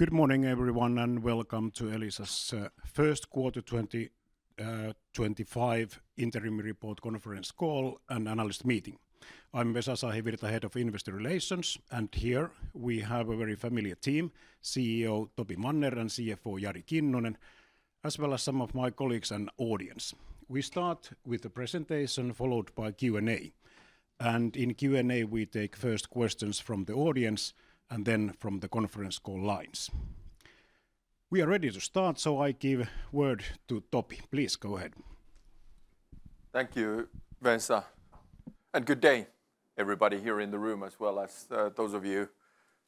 Good morning, everyone, and welcome to Elisa's first quarter 2025 interim report conference call and analyst meeting. I'm Vesa Sahivirta, Head of Investor Relations, and here we have a very familiar team: CEO, Topi Manner and CFO, Jari Kinnunen, as well as some of my colleagues and audience. We start with the presentation, followed by Q&A, and in Q&A we take first questions from the audience and then from the conference call lines. We are ready to start, so I give the word to Topi. Please go ahead. Thank you, Vesa, and good day, everybody here in the room, as well as those of you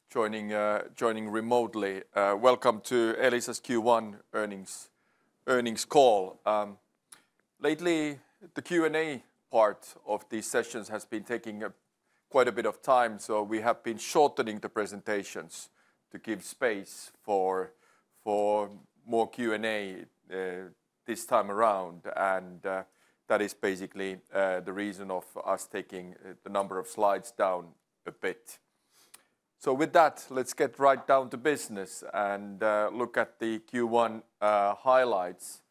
joining remotely. Welcome to Elisa's Q1 earnings call. Lately, the Q&A part of these sessions has been taking quite a bit of time, so we have been shortening the presentations to give space for more Q&A this time around, and that is basically the reason of us taking the number of slides down a bit. With that, let's get right down to business and look at the Q1 highlights.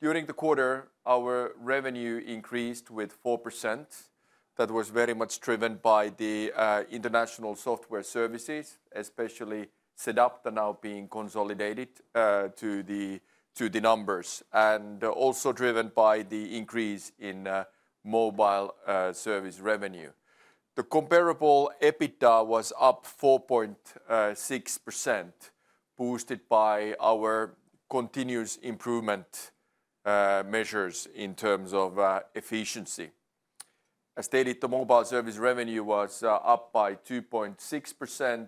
During the quarter, our revenue increased with 4%. That was very much driven by the international software services, especially sedApta now being consolidated to the numbers, and also driven by the increase in mobile service revenue. The comparable EBITDA was up 4.6%, boosted by our continuous improvement measures in terms of efficiency. As stated, the mobile service revenue was up by 2.6%,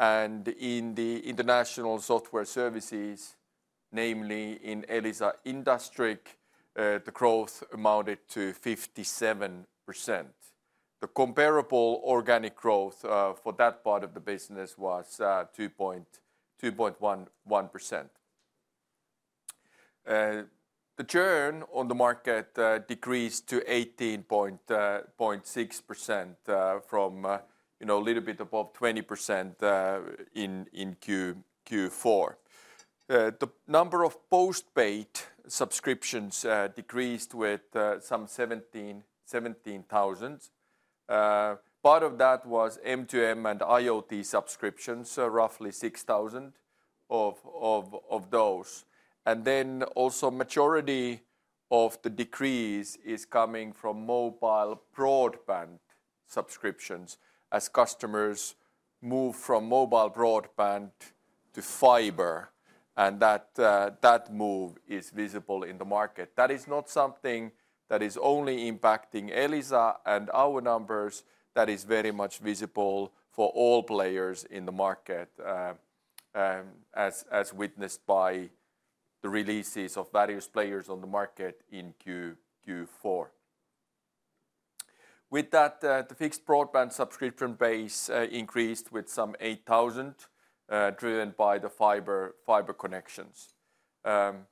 and in the international software services, namely in Elisa Industriq, the growth amounted to 57%. The comparable organic growth for that part of the business was 2.1%. The churn on the market decreased to 18.6% from a little bit above 20% in Q4. The number of postpaid subscriptions decreased with some 17,000. Part of that was M2M and IoT subscriptions, roughly 6,000 of those. The majority of the decrease is coming from mobile broadband subscriptions as customers move from mobile broadband to fiber, and that move is visible in the market. That is not something that is only impacting Elisa and our numbers; that is very much visible for all players in the market, as witnessed by the releases of various players on the market in Q4. With that, the fixed broadband subscription base increased with some 8,000, driven by the fiber connections. In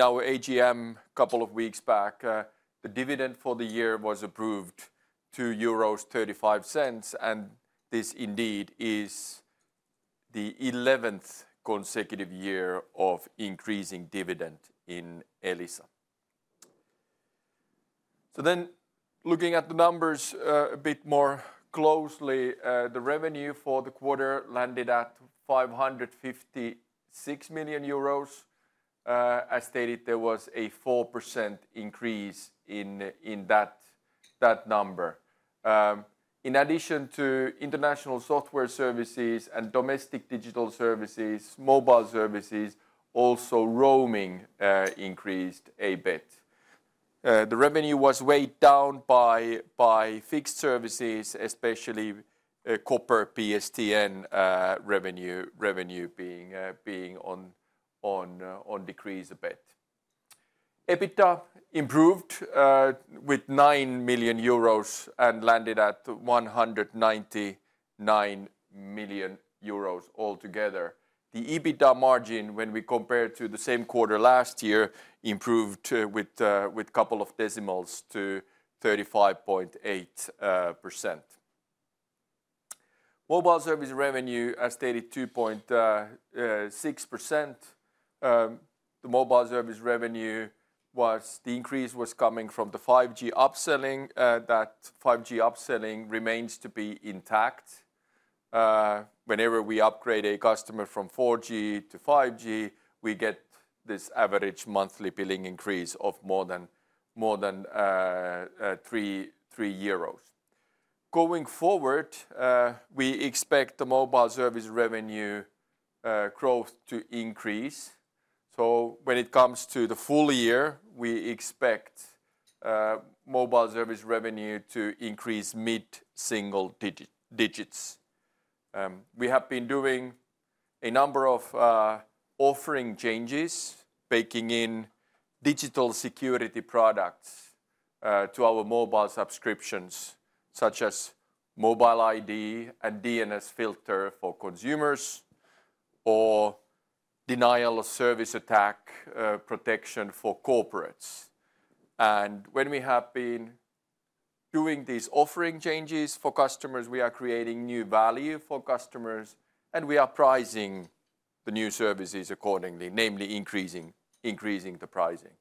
our AGM a couple of weeks back, the dividend for the year was approved to 0.35, and this indeed is the 11th consecutive year of increasing dividend in Elisa. Looking at the numbers a bit more closely, the revenue for the quarter landed at 556 million euros. As stated, there was a 4% increase in that number. In addition to international software services and domestic digital services, mobile services, also roaming increased a bit. The revenue was weighed down by fixed services, especially copper PSTN revenue being on decrease a bit. EBITDA improved with 9 million euros and landed at 199 million euros altogether. The EBITDA margin, when we compare to the same quarter last year, improved with a couple of decimals to 35.8%. Mobile service revenue, as stated, 2.6%. The mobile service revenue was the increase was coming from the 5G upselling. That 5G upselling remains to be intact. Whenever we upgrade a customer from 4G to 5G, we get this average monthly billing increase of more than 3 euros. Going forward, we expect the mobile service revenue growth to increase. When it comes to the full year, we expect mobile service revenue to increase mid-single digits. We have been doing a number of offering changes, baking in digital security products to our mobile subscriptions, such as Mobile ID and DNS Filter for consumers, or denial of service attack protection for corporates. When we have been doing these offering changes for customers, we are creating new value for customers, and we are pricing the new services accordingly, namely increasing the pricing.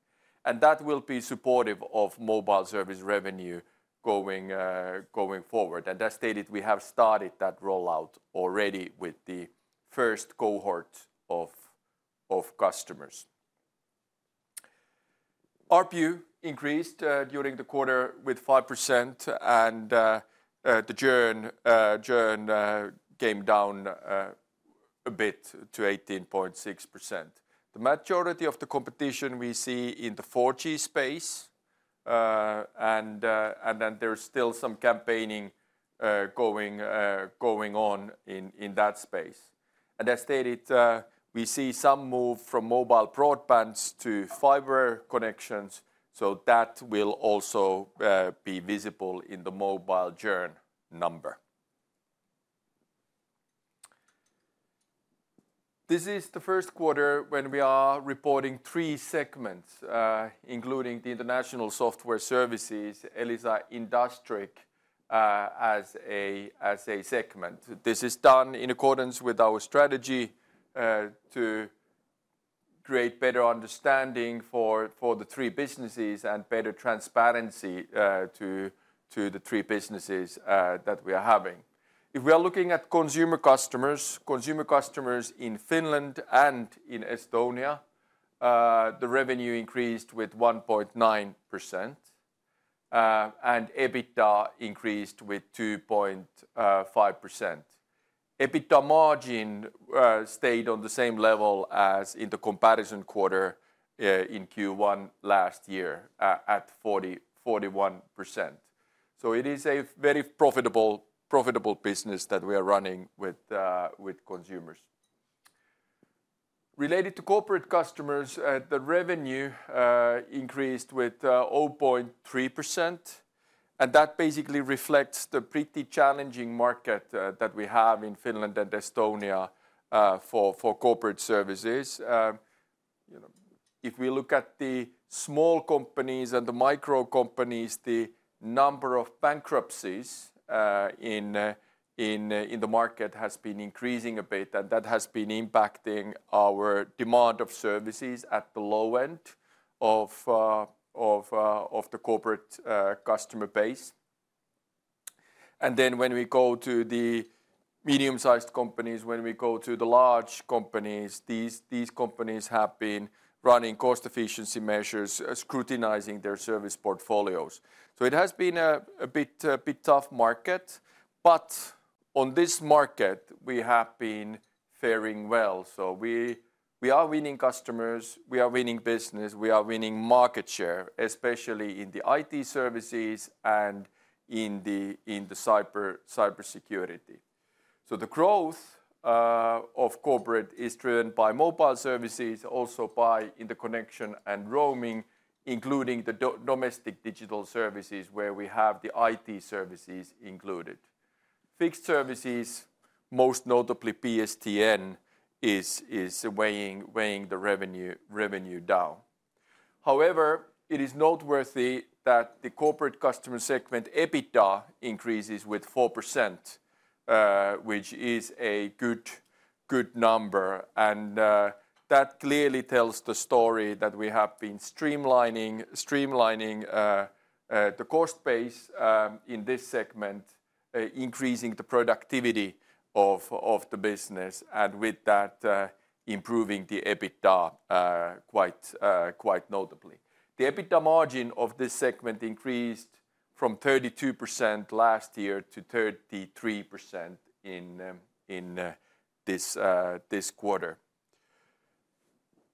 That will be supportive of mobile service revenue going forward. As stated, we have started that rollout already with the first cohort of customers. ARPU increased during the quarter with 5%, and the churn came down a bit to 18.6%. The maturity of the competition we see in the 4G space, and there is still some campaigning going on in that space. As stated, we see some move from mobile broadbands to fiber connections, so that will also be visible in the mobile churn number. This is the first quarter when we are reporting three segments, including the international software services, Elisa Industriq as a segment. This is done in accordance with our strategy to create better understanding for the three businesses and better transparency to the three businesses that we are having. If we are looking at consumer customers, consumer customers in Finland and in Estonia, the revenue increased with 1.9%, and EBITDA increased with 2.5%. EBITDA margin stayed on the same level as in the comparison quarter in Q1 last year at 41%. It is a very profitable business that we are running with consumers. Related to corporate customers, the revenue increased with 0.3%, and that basically reflects the pretty challenging market that we have in Finland and Estonia for corporate services. If we look at the small companies and the micro companies, the number of bankruptcies in the market has been increasing a bit, and that has been impacting our demand of services at the low end of the corporate customer base. When we go to the medium-sized companies, when we go to the large companies, these companies have been running cost efficiency measures, scrutinizing their service portfolios. It has been a bit tough market, but on this market, we have been faring well. We are winning customers, we are winning business, we are winning market share, especially in the IT services and in the cybersecurity. The growth of corporate is driven by mobile services, also by interconnection and roaming, including the domestic digital services where we have the IT services included. Fixed services, most notably PSTN, is weighing the revenue down. However, it is noteworthy that the corporate customer segment EBITDA increases with 4%, which is a good number, and that clearly tells the story that we have been streamlining the cost base in this segment, increasing the productivity of the business, and with that, improving the EBITDA quite notably. The EBITDA margin of this segment increased from 32% last year to 33% in this quarter.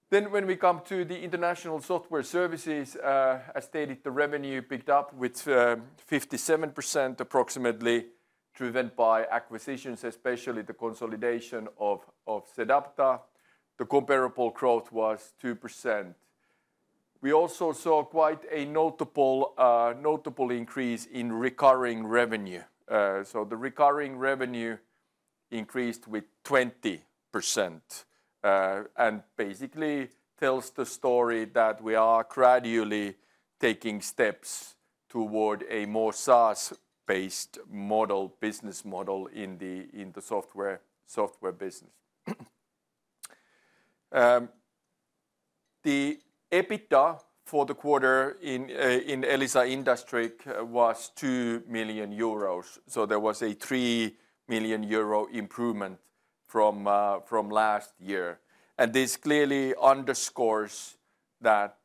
When we come to the international software services, as stated, the revenue picked up with 57% approximately, driven by acquisitions, especially the consolidation of sedApta. The comparable growth was 2%. We also saw quite a notable increase in recurring revenue. The recurring revenue increased with 20% and basically tells the story that we are gradually taking steps toward a more SaaS-based business model in the software business. The EBITDA for the quarter in Elisa Industriq was 2 million euros, so there was a 3 million euro improvement from last year. This clearly underscores that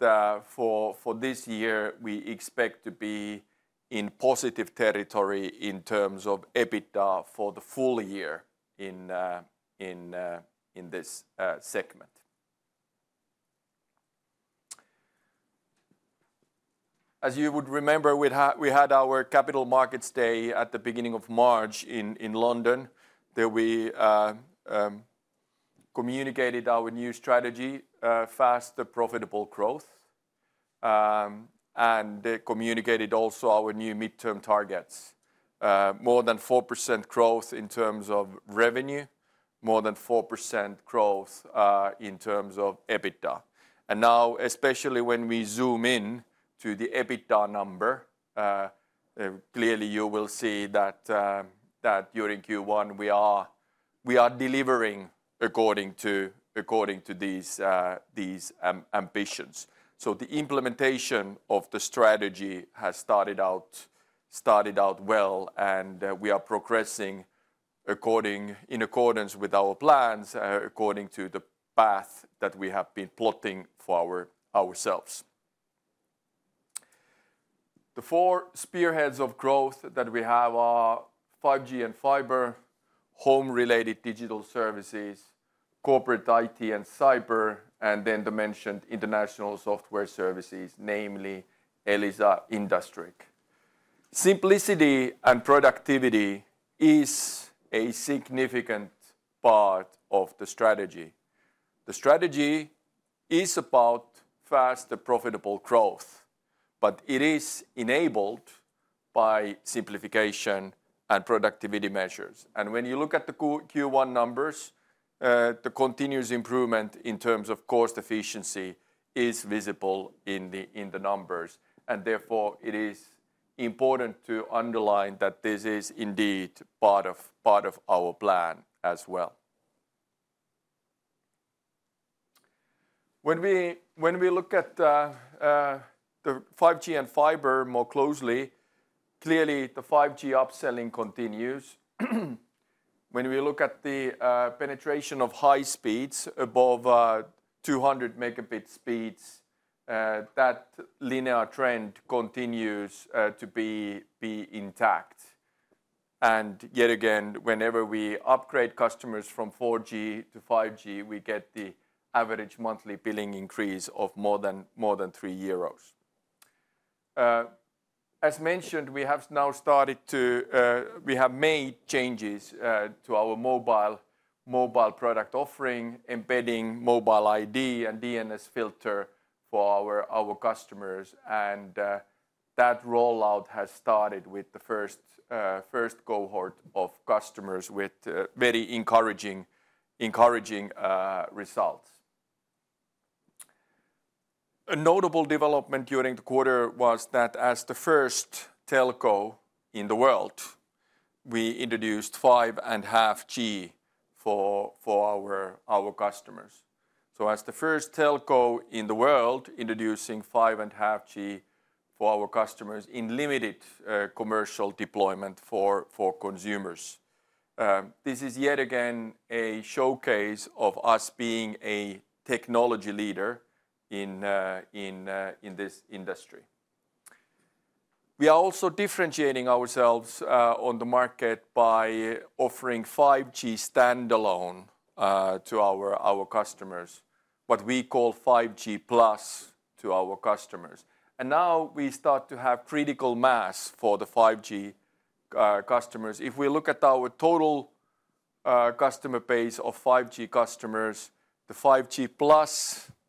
for this year, we expect to be in positive territory in terms of EBITDA for the full year in this segment. As you would remember, we had our capital markets day at the beginning of March in London. There we communicated our new strategy, fast profitable growth, and communicated also our new midterm targets: more than 4% growth in terms of revenue, more than 4% growth in terms of EBITDA. Now, especially when we zoom in to the EBITDA number, clearly you will see that during Q1 we are delivering according to these ambitions. The implementation of the strategy has started out well, and we are progressing in accordance with our plans, according to the path that we have been plotting for ourselves. The four spearheads of growth that we have are 5G and fiber, home-related digital services, corporate IT and cyber, and then the mentioned international software services, namely Elisa Industriq. Simplicity and productivity is a significant part of the strategy. The strategy is about fast profitable growth, but it is enabled by simplification and productivity measures. When you look at the Q1 numbers, the continuous improvement in terms of cost efficiency is visible in the numbers, and therefore it is important to underline that this is indeed part of our plan as well. When we look at the 5G and fiber more closely, clearly the 5G upselling continues. When we look at the penetration of high speeds above 200 megabit speeds, that linear trend continues to be intact. Yet again, whenever we upgrade customers from 4G to 5G, we get the average monthly billing increase of more than 3 euros. As mentioned, we have now started to make changes to our mobile product offering, embedding Mobile ID and DNS Filter for our customers, and that rollout has started with the first cohort of customers with very encouraging results. A notable development during the quarter was that as the first telco in the world, we introduced 5.5G for our customers. As the first telco in the world introducing 5.5G for our customers in limited commercial deployment for consumers, this is yet again a showcase of us being a technology leader in this industry. We are also differentiating ourselves on the market by offering 5G standalone to our customers, what we call 5G+ to our customers. We now start to have critical mass for the 5G customers. If we look at our total customer base of 5G customers, the 5G+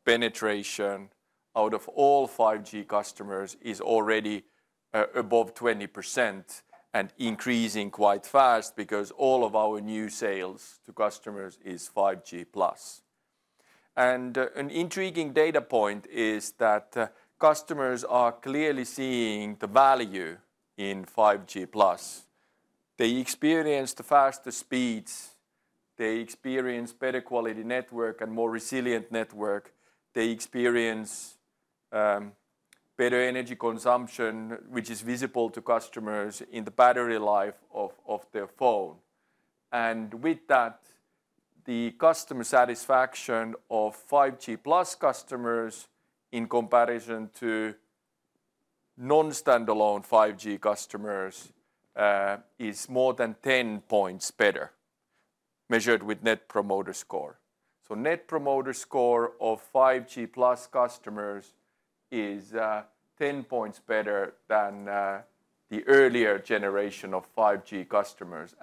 penetration out of all 5G customers is already above 20% and increasing quite fast because all of our new sales to customers is 5G+. An intriguing data point is that customers are clearly seeing the value in 5G+. They experience the faster speeds, they experience better quality network and more resilient network, they experience better energy consumption, which is visible to customers in the battery life of their phone. With that, the customer satisfaction of 5G+ customers in comparison to non-standalone 5G customers is more than 10 percentage points better, measured with Net Promoter Score. Net Promoter Score of 5G+ Plus customers is 10 points better than the earlier generation of 5G customers.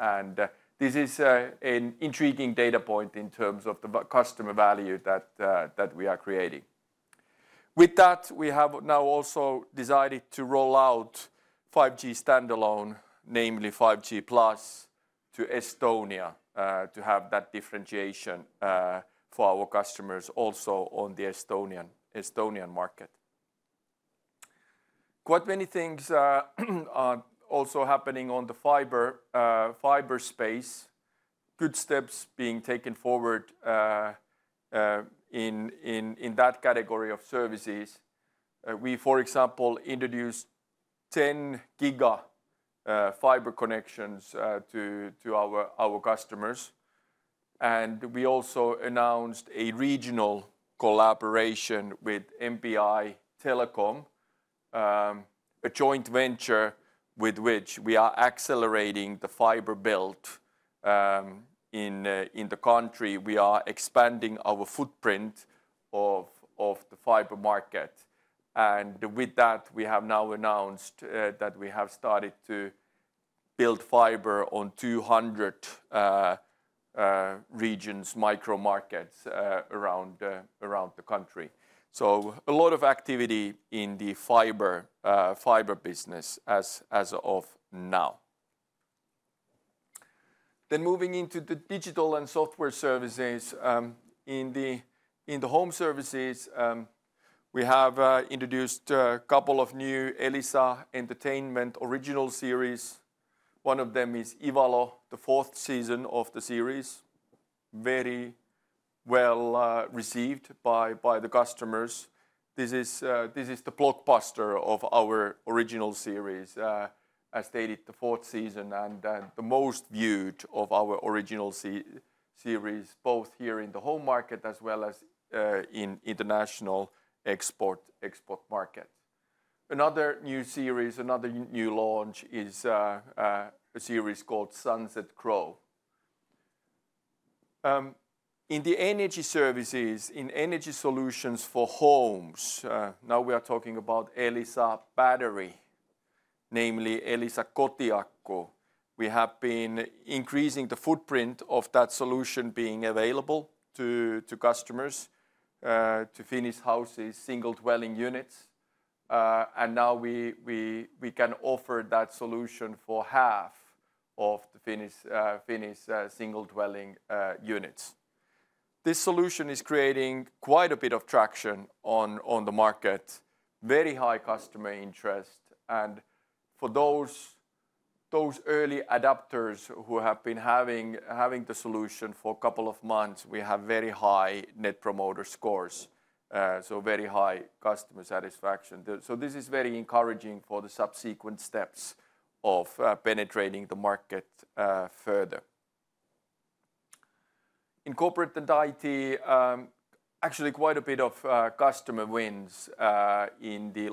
This is an intriguing data point in terms of the customer value that we are creating. With that, we have now also decided to roll out 5G standalone, namely 5G+ to Estonia to have that differentiation for our customers also on the Estonian market. Quite many things are also happening on the fiber space, good steps being taken forward in that category of services. We, for example, introduced 10 giga fiber connections to our customers, and we also announced a regional collaboration with MPY Telecom, a joint venture with which we are accelerating the fiber build in the country. We are expanding our footprint of the fiber market. We have now announced that we have started to build fiber on 200 regions, micro markets around the country. A lot of activity in the fiber business as of now. Moving into the digital and software services, in the home services, we have introduced a couple of new Elisa entertainment original series. One of them is Ivalo, the fourth season of the series, very well received by the customers. This is the blockbuster of our original series, as stated, the fourth season and the most viewed of our original series, both here in the home market as well as in international export markets. Another new series, another new launch, is a series called Sunset Grove. In the energy services, in energy solutions for homes, now we are talking about Elisa Battery, namely Elisa Kotiakku. We have been increasing the footprint of that solution being available to customers, to Finnish houses, single dwelling units, and now we can offer that solution for half of the Finnish single dwelling units. This solution is creating quite a bit of traction on the market, very high customer interest, and for those early adopters who have been having the solution for a couple of months, we have very high Net Promoter Scores, so very high customer satisfaction. This is very encouraging for the subsequent steps of penetrating the market further. In corporate and IT, actually quite a bit of customer wins in the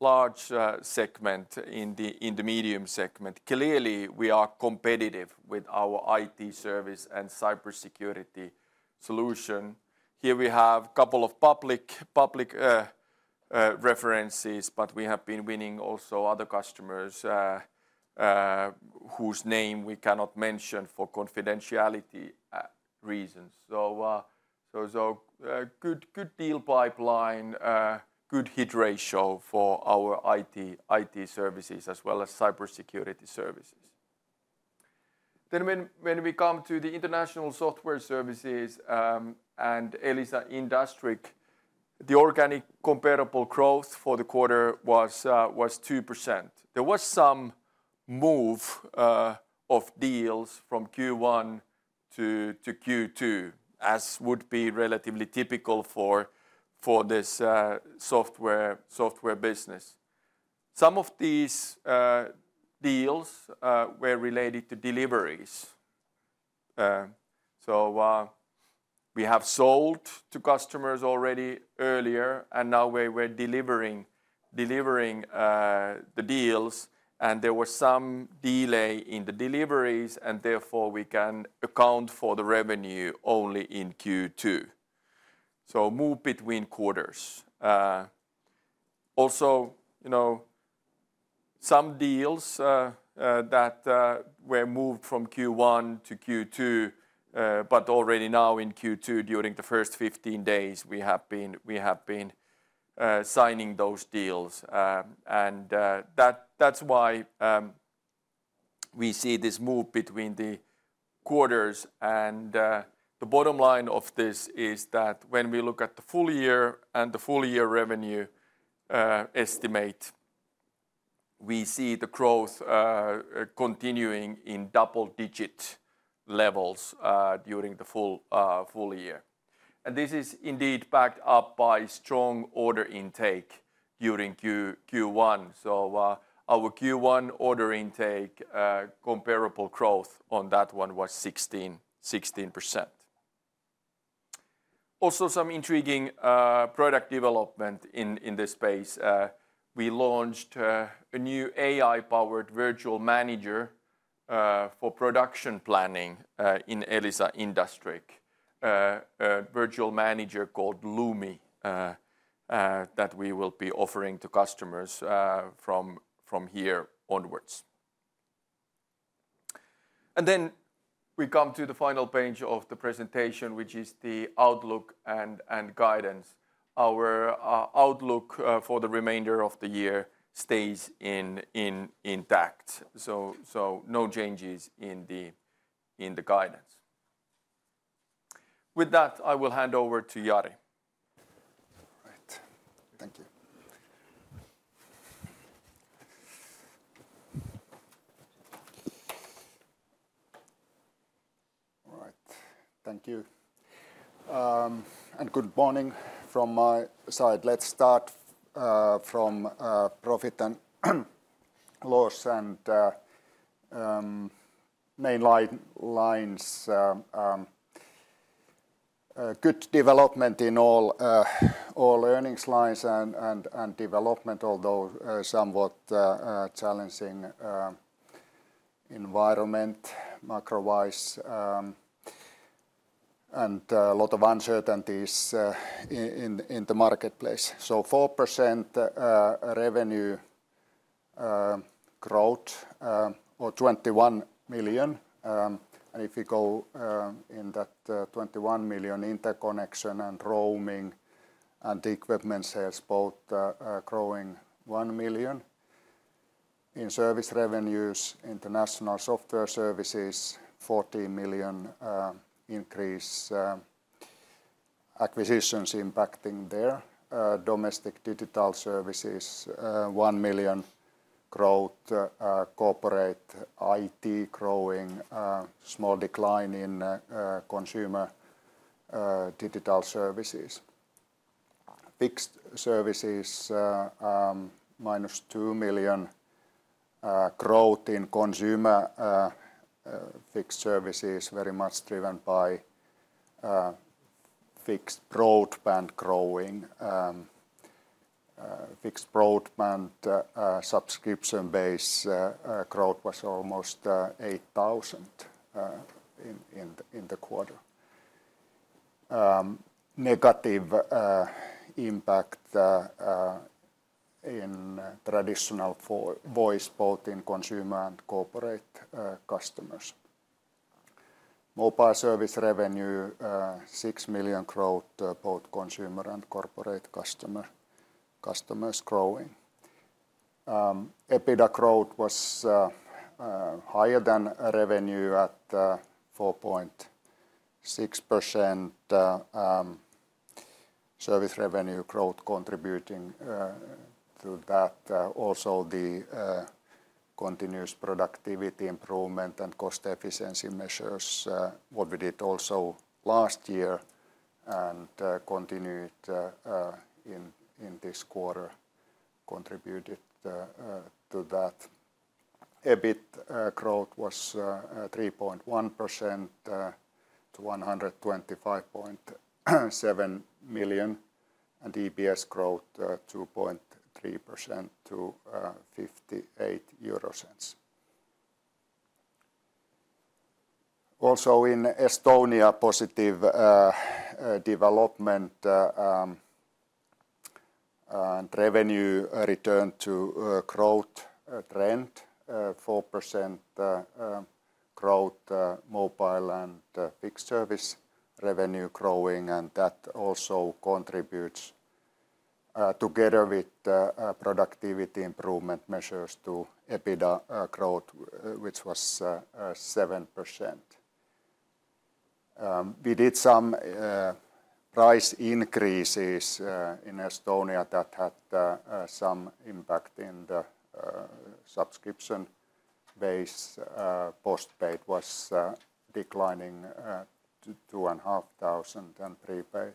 large segment, in the medium segment. Clearly, we are competitive with our IT service and cybersecurity solution. Here we have a couple of public references, but we have been winning also other customers whose name we cannot mention for confidentiality reasons. Good deal pipeline, good hit ratio for our IT services as well as cybersecurity services. When we come to the international software services and Elisa Industriq, the organic comparable growth for the quarter was 2%. There was some move of deals from Q1 to Q2, as would be relatively typical for this software business. Some of these deals were related to deliveries. We have sold to customers already earlier, and now we're delivering the deals, and there was some delay in the deliveries, and therefore we can account for the revenue only in Q2. Move between quarters. Also, some deals that were moved from Q1 to Q2, but already now in Q2, during the first 15 days, we have been signing those deals. That's why we see this move between the quarters. The bottom line of this is that when we look at the full year and the full year revenue estimate, we see the growth continuing in double-digit levels during the full year. This is indeed backed up by strong order intake during Q1. Our Q1 order intake comparable growth on that one was 16%. Also some intriguing product development in this space. We launched a new AI-powered virtual manager for production planning in Elisa Industriq, a virtual manager called Lumi that we will be offering to customers from here onwards. We come to the final page of the presentation, which is the outlook and guidance. Our outlook for the remainder of the year stays intact. No changes in the guidance. With that, I will hand over to Jari. All right. Thank you. All right. Thank you. Good morning from my side. Let's start from profit and loss and main lines. Good development in all earnings lines and development, although somewhat challenging environment macro-wise and a lot of uncertainties in the marketplace. 4% revenue growth or 21 million. If you go in that 21 million, interconnection and roaming and equipment sales, both growing 1 million. In service revenues, international software services, 14 million increase, acquisitions impacting there, domestic digital services, 1 million growth, corporate IT growing, small decline in consumer digital services. Fixed services, minus 2 million growth in consumer fixed services, very much driven by fixed broadband growing. Fixed broadband subscription base growth was almost 8,000 in the quarter. Negative impact in traditional voice, both in consumer and corporate customers. Mobile service revenue, 6 million growth, both consumer and corporate customers growing. EBITDA growth was higher than revenue at 4.6%. Service revenue growth contributing to that. Also the continuous productivity improvement and cost efficiency measures, what we did also last year and continued in this quarter, contributed to that. EBIT growth was 3.1% to 125.7 million and EPS growth 2.3% to 0.58. Also in Estonia, positive development and revenue return to growth trend, 4% growth, mobile and fixed service revenue growing, and that also contributes together with productivity improvement measures to EBITDA growth, which was 7%. We did some price increases in Estonia that had some impact in the subscription base. Postpaid was declining to 2,500 and prepaid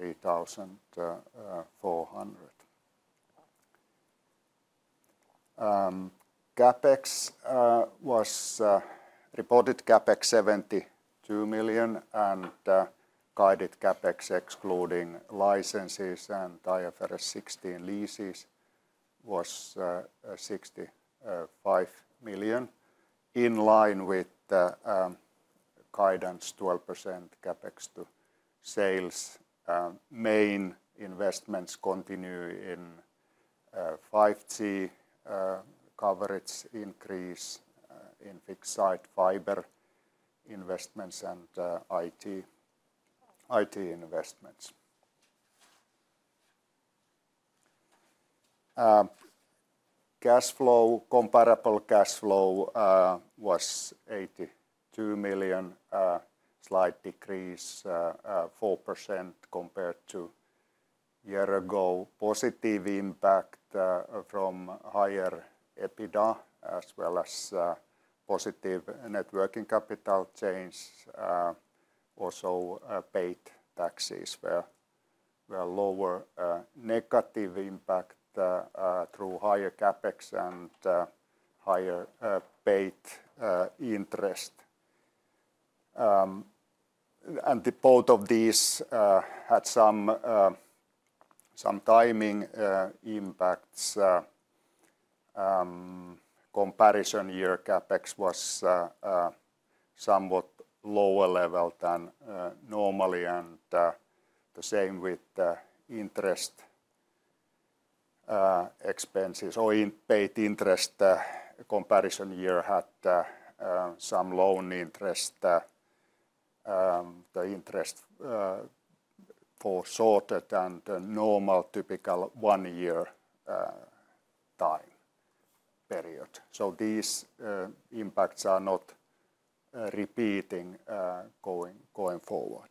3,400. CapEx was reported CapEx 72 million and guided CapEx excluding licenses and IFRS 16 leases was 65 million in line with guidance 12% CapEx to sales. Main investments continue in 5G coverage increase in fixed site fiber investments and IT investments. Cash flow, comparable cash flow was 82 million, slight decrease, 4% compared to a year ago. Positive impact from higher EBITDA as well as positive networking capital change. Also paid taxes were lower. Negative impact through higher CapEx and higher paid interest. Both of these had some timing impacts. Comparison year CapEx was somewhat lower level than normally and the same with interest expenses. In paid interest, comparison year had some loan interest. The interest foreshortened and normal typical one year time period. These impacts are not repeating going forward.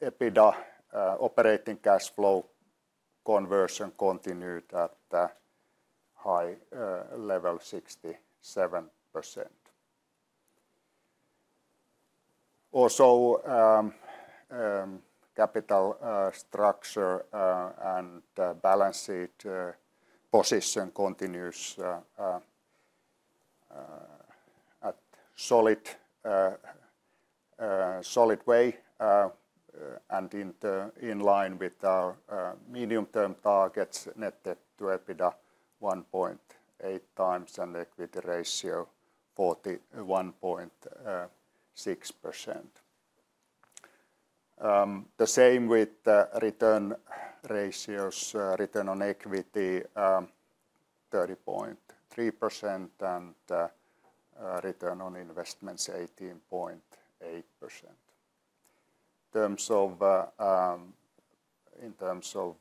EBITDA operating cash flow conversion continued at high level, 67%. Also capital structure and balance sheet position continues at solid way and in line with our medium term targets, netted to EBITDA 1.8 times and equity ratio 41.6%. The same with return ratios, return on equity 30.3% and return on investments 18.8%. In terms of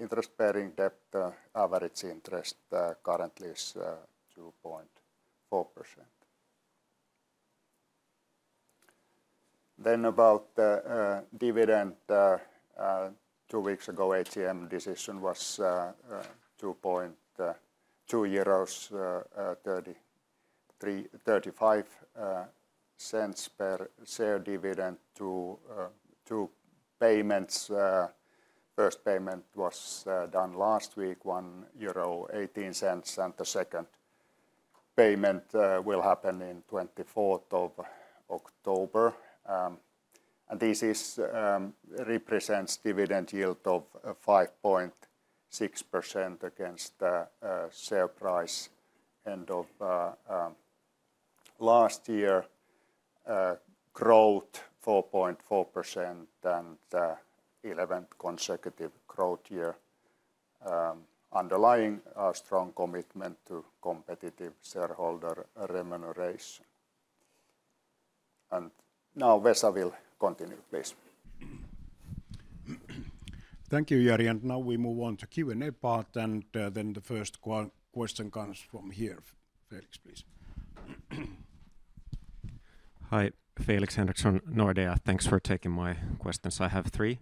interest bearing debt, average interest currently is 2.4%. About dividend, two weeks ago AGM decision was EUR 2.35 per share dividend in two payments. First payment was done last week, 1.18 euro, and the second payment will happen on 24th of October. This represents dividend yield of 5.6% against the share price end of last year, growth 4.4% and 11th consecutive growth year. Underlying a strong commitment to competitive shareholder remuneration. Now Vesa will continue, please. Thank you, Jari. Now we move on to the Q&A part, and the first question comes from here. Felix, please. Hi, Felix Henriksson, Nordea. Thanks for taking my questions. I have three.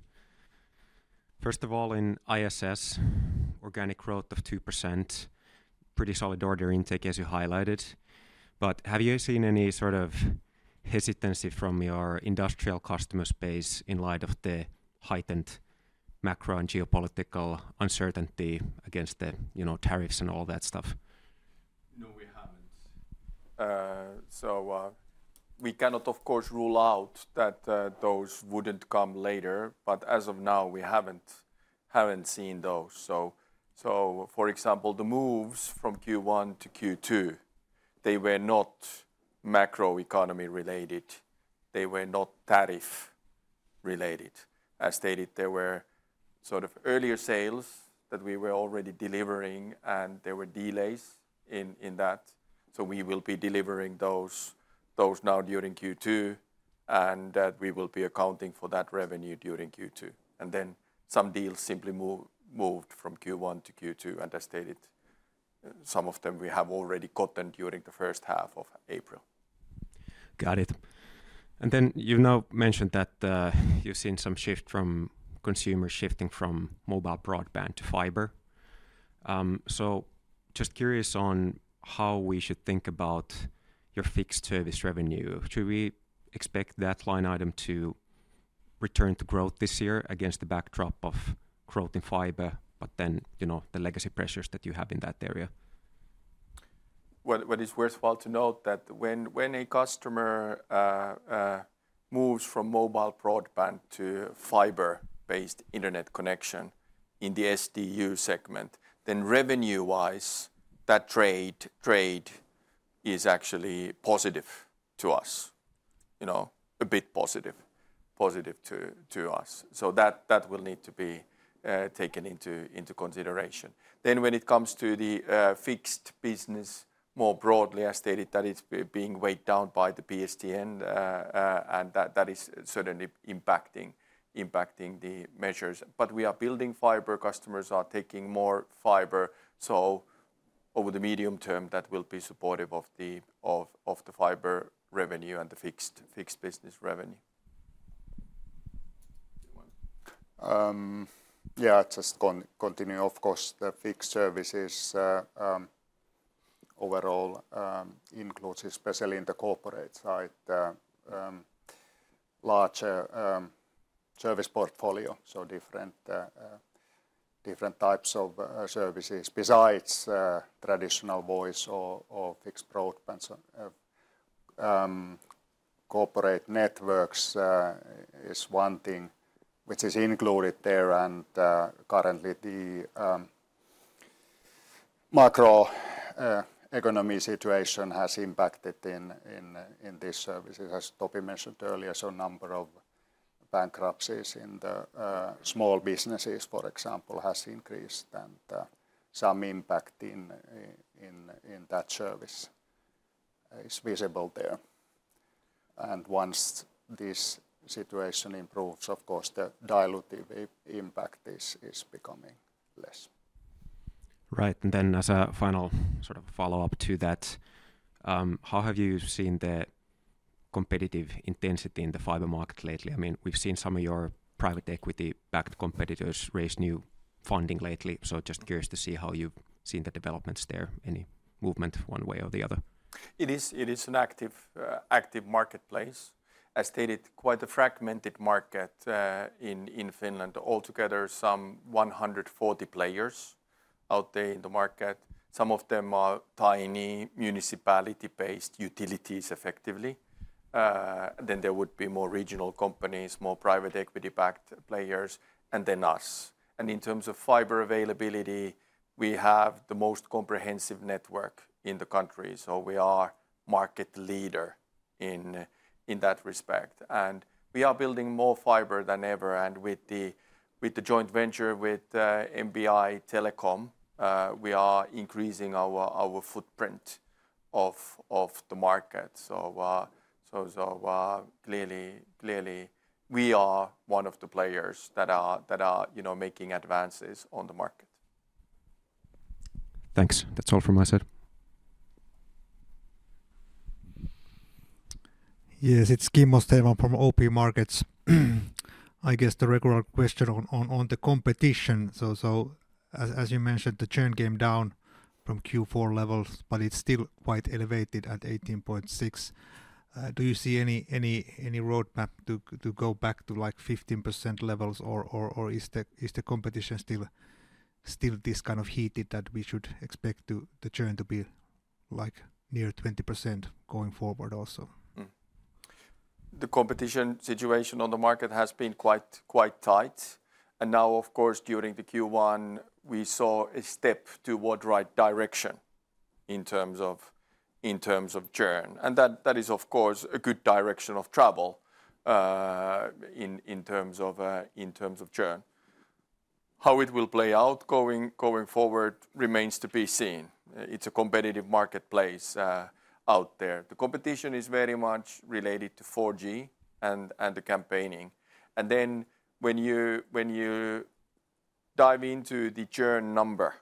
First of all, in ISS, organic growth of 2%, pretty solid order intake as you highlighted. Have you seen any sort of hesitancy from your industrial customer space in light of the heightened macro and geopolitical uncertainty against the tariffs and all that stuff? No, we haven't. We cannot, of course, rule out that those wouldn't come later, but as of now, we haven't seen those. For example, the moves from Q1 to Q2 were not macro economy related. They were not tariff related. As stated, there were sort of earlier sales that we were already delivering, and there were delays in that. We will be delivering those now during Q2, and we will be accounting for that revenue during Q2. Some deals simply moved from Q1 to Q2, and as stated, some of them we have already gotten during the first half of April. Got it. You have now mentioned that you have seen some shift from consumers shifting from mobile broadband to fiber. I am just curious on how we should think about your fixed service revenue. Should we expect that line item to return to growth this year against the backdrop of growth in fiber, but then the legacy pressures that you have in that area? What is worthwhile to note is that when a customer moves from mobile broadband to fiber-based internet connection in the SDU segment, revenue-wise, that trade is actually positive to us, a bit positive to us. That will need to be taken into consideration. When it comes to the fixed business more broadly, as stated, it is being weighed down by the PSTN, and that is certainly impacting the measures. We are building fiber, customers are taking more fiber. Over the medium term, that will be supportive of the fiber revenue and the fixed business revenue. Yeah, just continue, of course. The fixed services overall include, especially in the corporate side, a larger service portfolio. Different types of services besides traditional voice or fixed broadband. Corporate networks is one thing which is included there, and currently the macro economy situation has impacted in these services, as Topi mentioned earlier. A number of bankruptcies in the small businesses, for example, has increased, and some impact in that service is visible there. Once this situation improves, of course, the dilutive impact is becoming less. Right. As a final sort of follow-up to that, how have you seen the competitive intensity in the fiber market lately? I mean, we've seen some of your private equity-backed competitors raise new funding lately. Just curious to see how you've seen the developments there, any movement one way or the other. It is an active marketplace. As stated, quite a fragmented market in Finland. Altogether, some 140 players out there in the market. Some of them are tiny municipality-based utilities, effectively. There would be more regional companies, more private equity-backed players, and then us. In terms of fiber availability, we have the most comprehensive network in the country. We are market leader in that respect. We are building more fiber than ever. With the joint venture with MPY Telecom, we are increasing our footprint of the market. Clearly, we are one of the players that are making advances on the market. Thanks. That's all from my side. Yes, it's Kimmo Stenvall from OP Markets. I guess the regular question on the competition. As you mentioned, the churn came down from Q4 levels, but it's still quite elevated at 18.6%. Do you see any roadmap to go back to like 15% levels, or is the competition still this kind of heated that we should expect the churn to be like near 20% going forward also? The competition situation on the market has been quite tight. Of course, during Q1, we saw a step toward the right direction in terms of churn. That is, of course, a good direction of travel in terms of churn. How it will play out going forward remains to be seen. It's a competitive marketplace out there. The competition is very much related to 4G and the campaigning. When you dive into the churn number,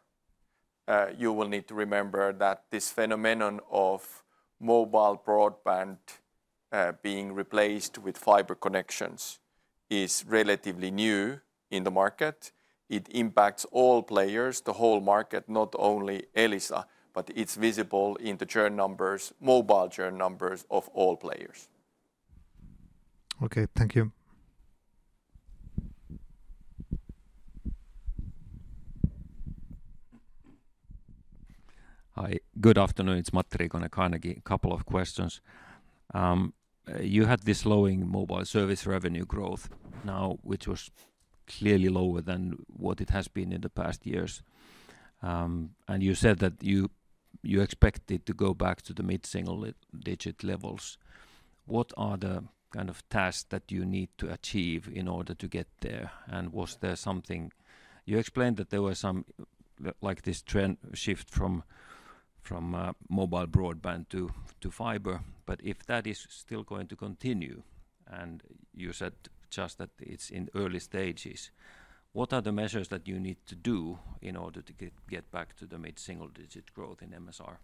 you will need to remember that this phenomenon of mobile broadband being replaced with fiber connections is relatively new in the market. It impacts all players, the whole market, not only Elisa, but it's visible in the churn numbers, mobile churn numbers of all players. Okay, thank you. Hi, good afternoon. It's Matti Riikonen, Carnegie. A couple of questions. You had this slowing mobile service revenue growth now, which was clearly lower than what it has been in the past years. You said that you expected to go back to the mid-single digit levels. What are the kind of tasks that you need to achieve in order to get there? Was there something you explained that there was some like this trend shift from mobile broadband to fiber, but if that is still going to continue, and you said just that it's in early stages, what are the measures that you need to do in order to get back to the mid-single digit growth in MSR?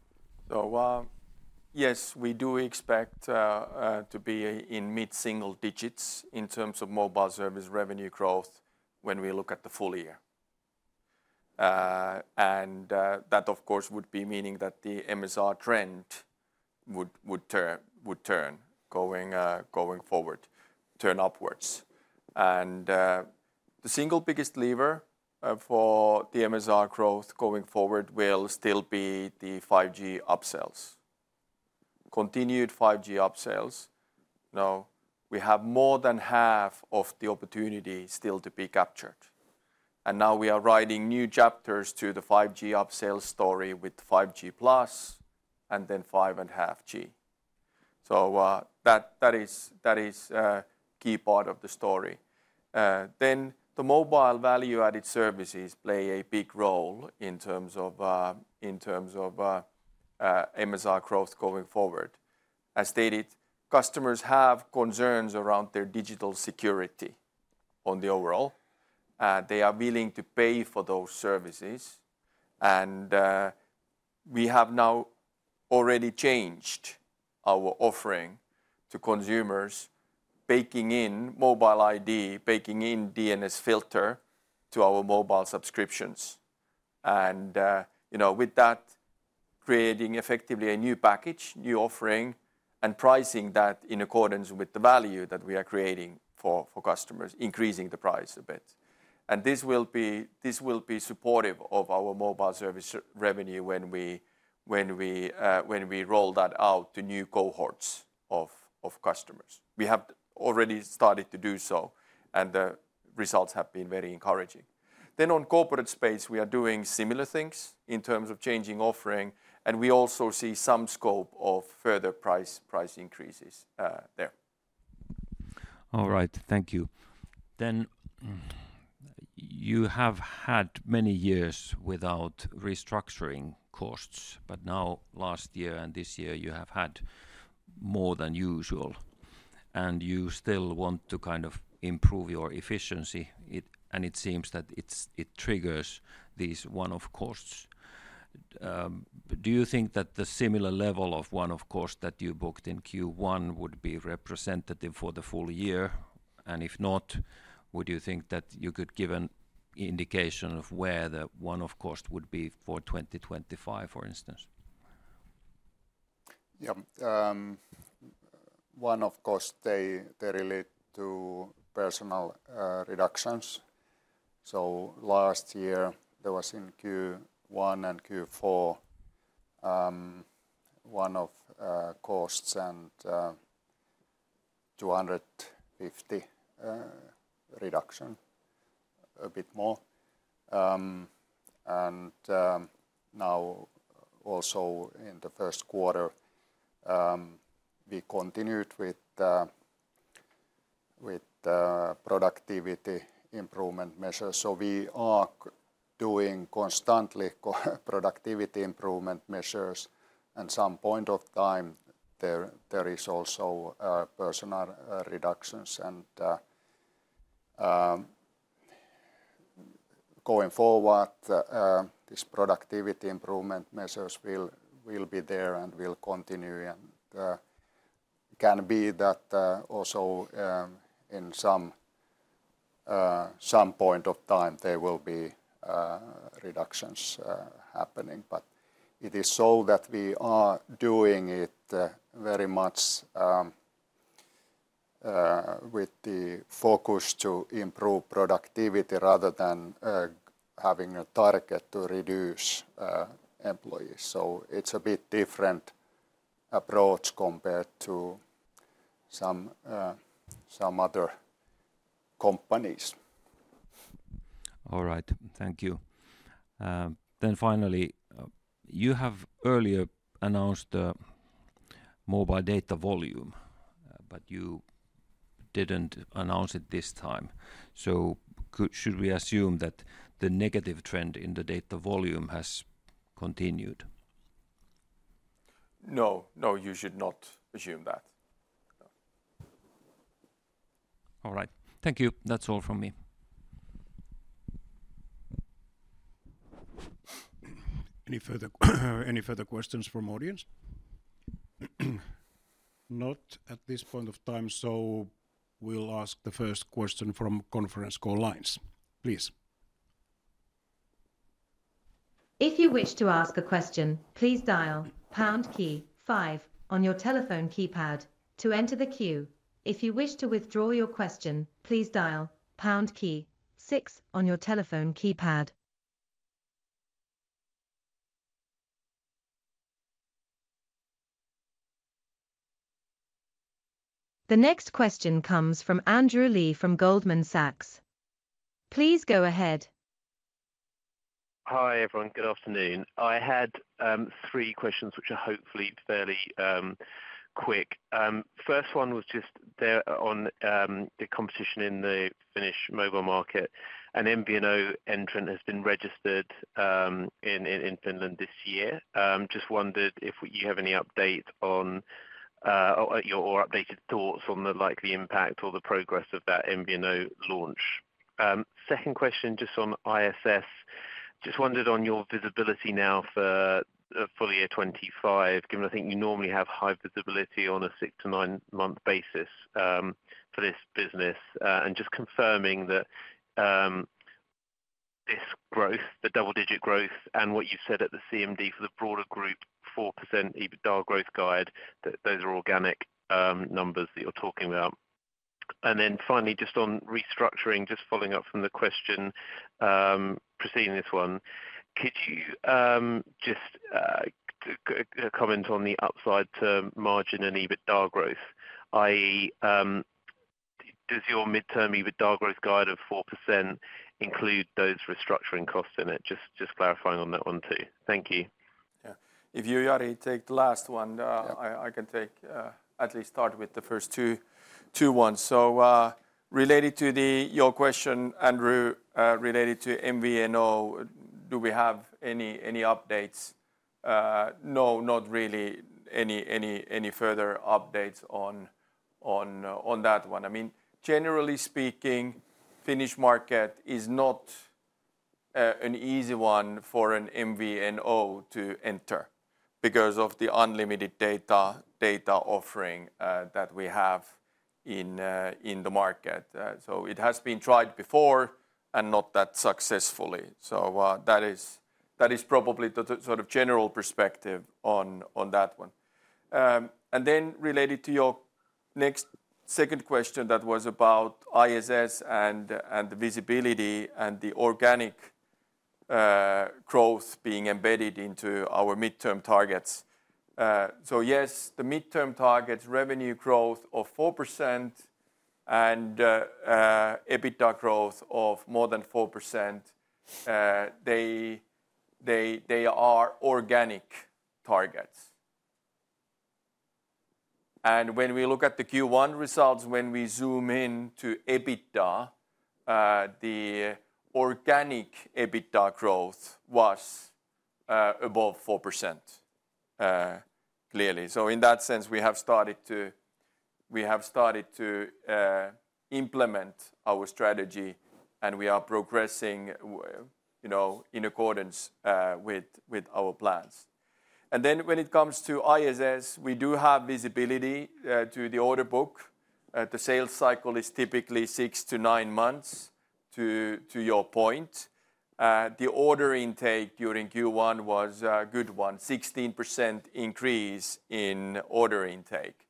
Yes, we do expect to be in mid-single digits in terms of mobile service revenue growth when we look at the full year. That, of course, would be meaning that the MSR trend would turn going forward, turn upwards. The single biggest lever for the MSR growth going forward will still be the 5G upsells. Continued 5G upsells, now we have more than half of the opportunity still to be captured. Now we are writing new chapters to the 5G upsell story with 5G+ and 5.5G. That is a key part of the story. The mobile value-added services play a big role in terms of MSR growth going forward. As stated, customers have concerns around their digital security on the overall. They are willing to pay for those services. We have now already changed our offering to consumers, baking in Mobile ID, baking in DNS Filter to our mobile subscriptions. With that, creating effectively a new package, new offering, and pricing that in accordance with the value that we are creating for customers, increasing the price a bit. This will be supportive of our mobile service revenue when we roll that out to new cohorts of customers. We have already started to do so, and the results have been very encouraging. On corporate space, we are doing similar things in terms of changing offering, and we also see some scope of further price increases there. All right, thank you. You have had many years without restructuring costs, but now last year and this year you have had more than usual, and you still want to kind of improve your efficiency, and it seems that it triggers these one-off costs. Do you think that the similar level of one-off cost that you booked in Q1 would be representative for the full year? If not, would you think that you could give an indication of where the one-off cost would be for 2025, for instance? Yeah, one-off cost, they relate to personnel reductions. Last year, there was in Q1 and Q4 one-off costs and 250 reduction, a bit more. Now also in the first quarter, we continued with productivity improvement measures. We are doing constantly productivity improvement measures, and at some point of time, there is also personnel reductions. Going forward, these productivity improvement measures will be there and will continue. It can be that also at some point of time, there will be reductions happening. It is so that we are doing it very much with the focus to improve productivity rather than having a target to reduce employees. It is a bit different approach compared to some other companies. All right, thank you. Finally, you have earlier announced mobile data volume, but you did not announce it this time. Should we assume that the negative trend in the data volume has continued? No, no, you should not assume that. All right, thank you. That's all from me. Any further questions from audience? Not at this point of time. We will ask the first question from Conference Call Lines, please. If you wish to ask a question, please dial pound key five on your telephone keypad to enter the queue. If you wish to withdraw your question, please dial pound key six on your telephone keypad. The next question comes from Andrew Lee from Goldman Sachs. Please go ahead. Hi everyone, good afternoon. I had three questions, which are hopefully fairly quick. First one was just there on the competition in the Finnish mobile market. An MVNO entrant has been registered in Finland this year. Just wondered if you have any updates on or updated thoughts on the likely impact or the progress of that MVNO launch. Second question just on ISS. Just wondered on your visibility now for full year 2025, given I think you normally have high visibility on a six to nine-month basis for this business. Just confirming that this growth, the double-digit growth, and what you've said at the CMD for the broader group, 4% EBITDA growth guide, that those are organic numbers that you're talking about. Finally, just on restructuring, just following up from the question preceding this one, could you just comment on the upside to margin and EBITDA growth? i.e., does your midterm EBITDA growth guide of 4% include those restructuring costs in it? Just clarifying on that one too. Thank you. Yeah, if you're ready, take the last one. I can at least start with the first two ones. Related to your question, Andrew, related to MVNO, do we have any updates? No, not really any further updates on that one. I mean, generally speaking, Finnish market is not an easy one for an MVNO to enter because of the unlimited data offering that we have in the market. It has been tried before and not that successfully. That is probably the sort of general perspective on that one. Related to your next second question that was about ISS and the visibility and the organic growth being embedded into our midterm targets. Yes, the midterm targets, revenue growth of 4% and EBITDA growth of more than 4%, they are organic targets. When we look at the Q1 results, when we zoom in to EBITDA, the organic EBITDA growth was above 4%, clearly. In that sense, we have started to implement our strategy, and we are progressing in accordance with our plans. When it comes to ISS, we do have visibility to the order book. The sales cycle is typically six to nine months, to your point. The order intake during Q1 was a good one, 16% increase in order intake.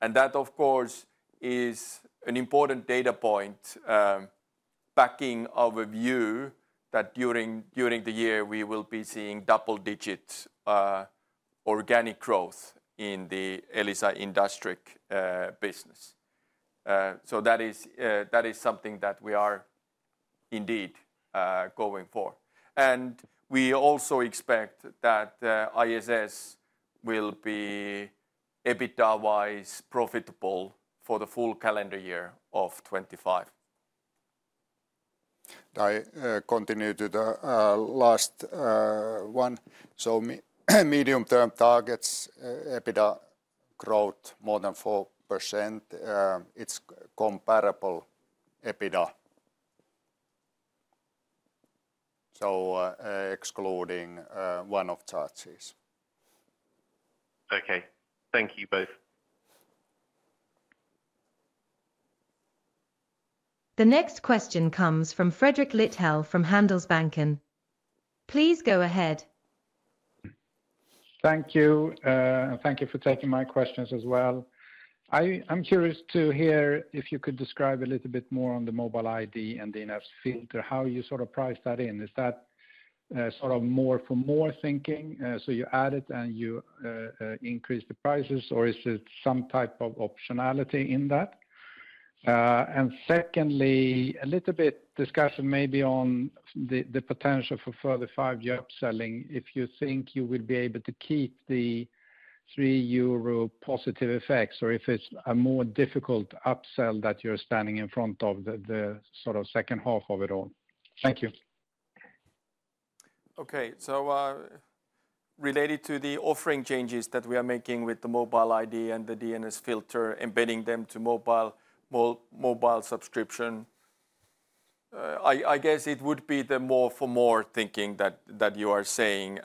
That, of course, is an important data point backing our view that during the year, we will be seeing double-digit organic growth in the Elisa Industriq business. That is something that we are indeed going for. We also expect that ISS will be EBITDA-wise profitable for the full calendar year of 2025. I continue to the last one. Medium-term targets, EBITDA growth more than 4%, it's comparable EBITDA, so excluding one-off charges. Okay, thank you both. The next question comes from Fredrik Lithell from Handelsbanken. Please go ahead. Thank you. Thank you for taking my questions as well. I'm curious to hear if you could describe a little bit more on the Mobile ID and DNS Filter, how you sort of price that in. Is that sort of more for more thinking? You add it and you increase the prices, or is it some type of optionality in that? Secondly, a little bit discussion maybe on the potential for further 5G upselling, if you think you will be able to keep the three-year-old positive effects, or if it's a more difficult upsell that you're standing in front of the sort of second half of it all. Thank you. Okay, related to the offering changes that we are making with the Mobile ID and the DNS Filter, embedding them to mobile subscription, I guess it would be the more for more thinking that you are saying.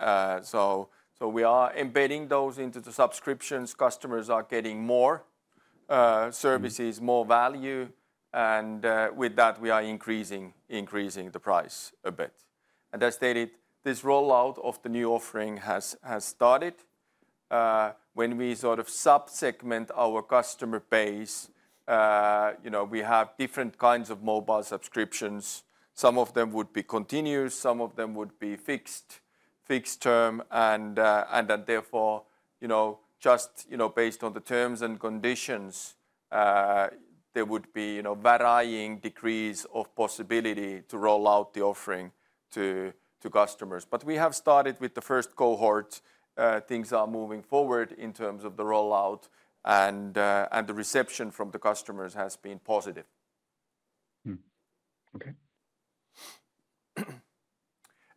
We are embedding those into the subscriptions. Customers are getting more services, more value, and with that, we are increasing the price a bit. As stated, this rollout of the new offering has started. When we sort of subsegment our customer base, we have different kinds of mobile subscriptions. Some of them would be continuous, some of them would be fixed term, and therefore, just based on the terms and conditions, there would be varying degrees of possibility to rollout the offering to customers. We have started with the first cohort. Things are moving forward in terms of the rollout, and the reception from the customers has been positive.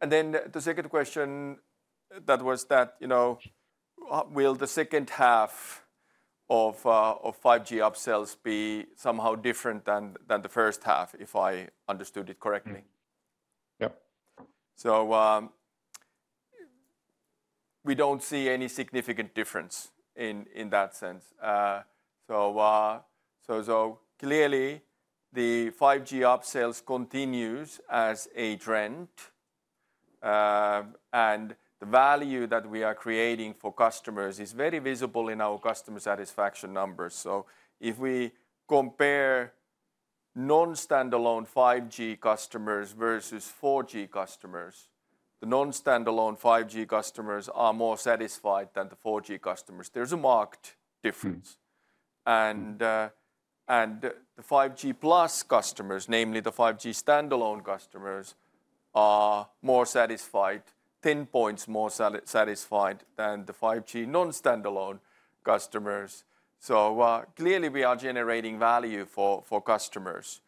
Okay. The second question was that, will the second half of 5G upsells be somehow different than the first half, if I understood it correctly? Yeah. We do not see any significant difference in that sense. Clearly, the 5G upsells continue as a trend, and the value that we are creating for customers is very visible in our customer satisfaction numbers. If we compare non-standalone 5G customers versus 4G customers, the non-standalone 5G customers are more satisfied than the 4G customers. There is a marked difference. The 5G+ customers, namely the 5G standalone customers, are more satisfied, 10 points more satisfied than the 5G non-standalone customers. Clearly, we are generating value for customers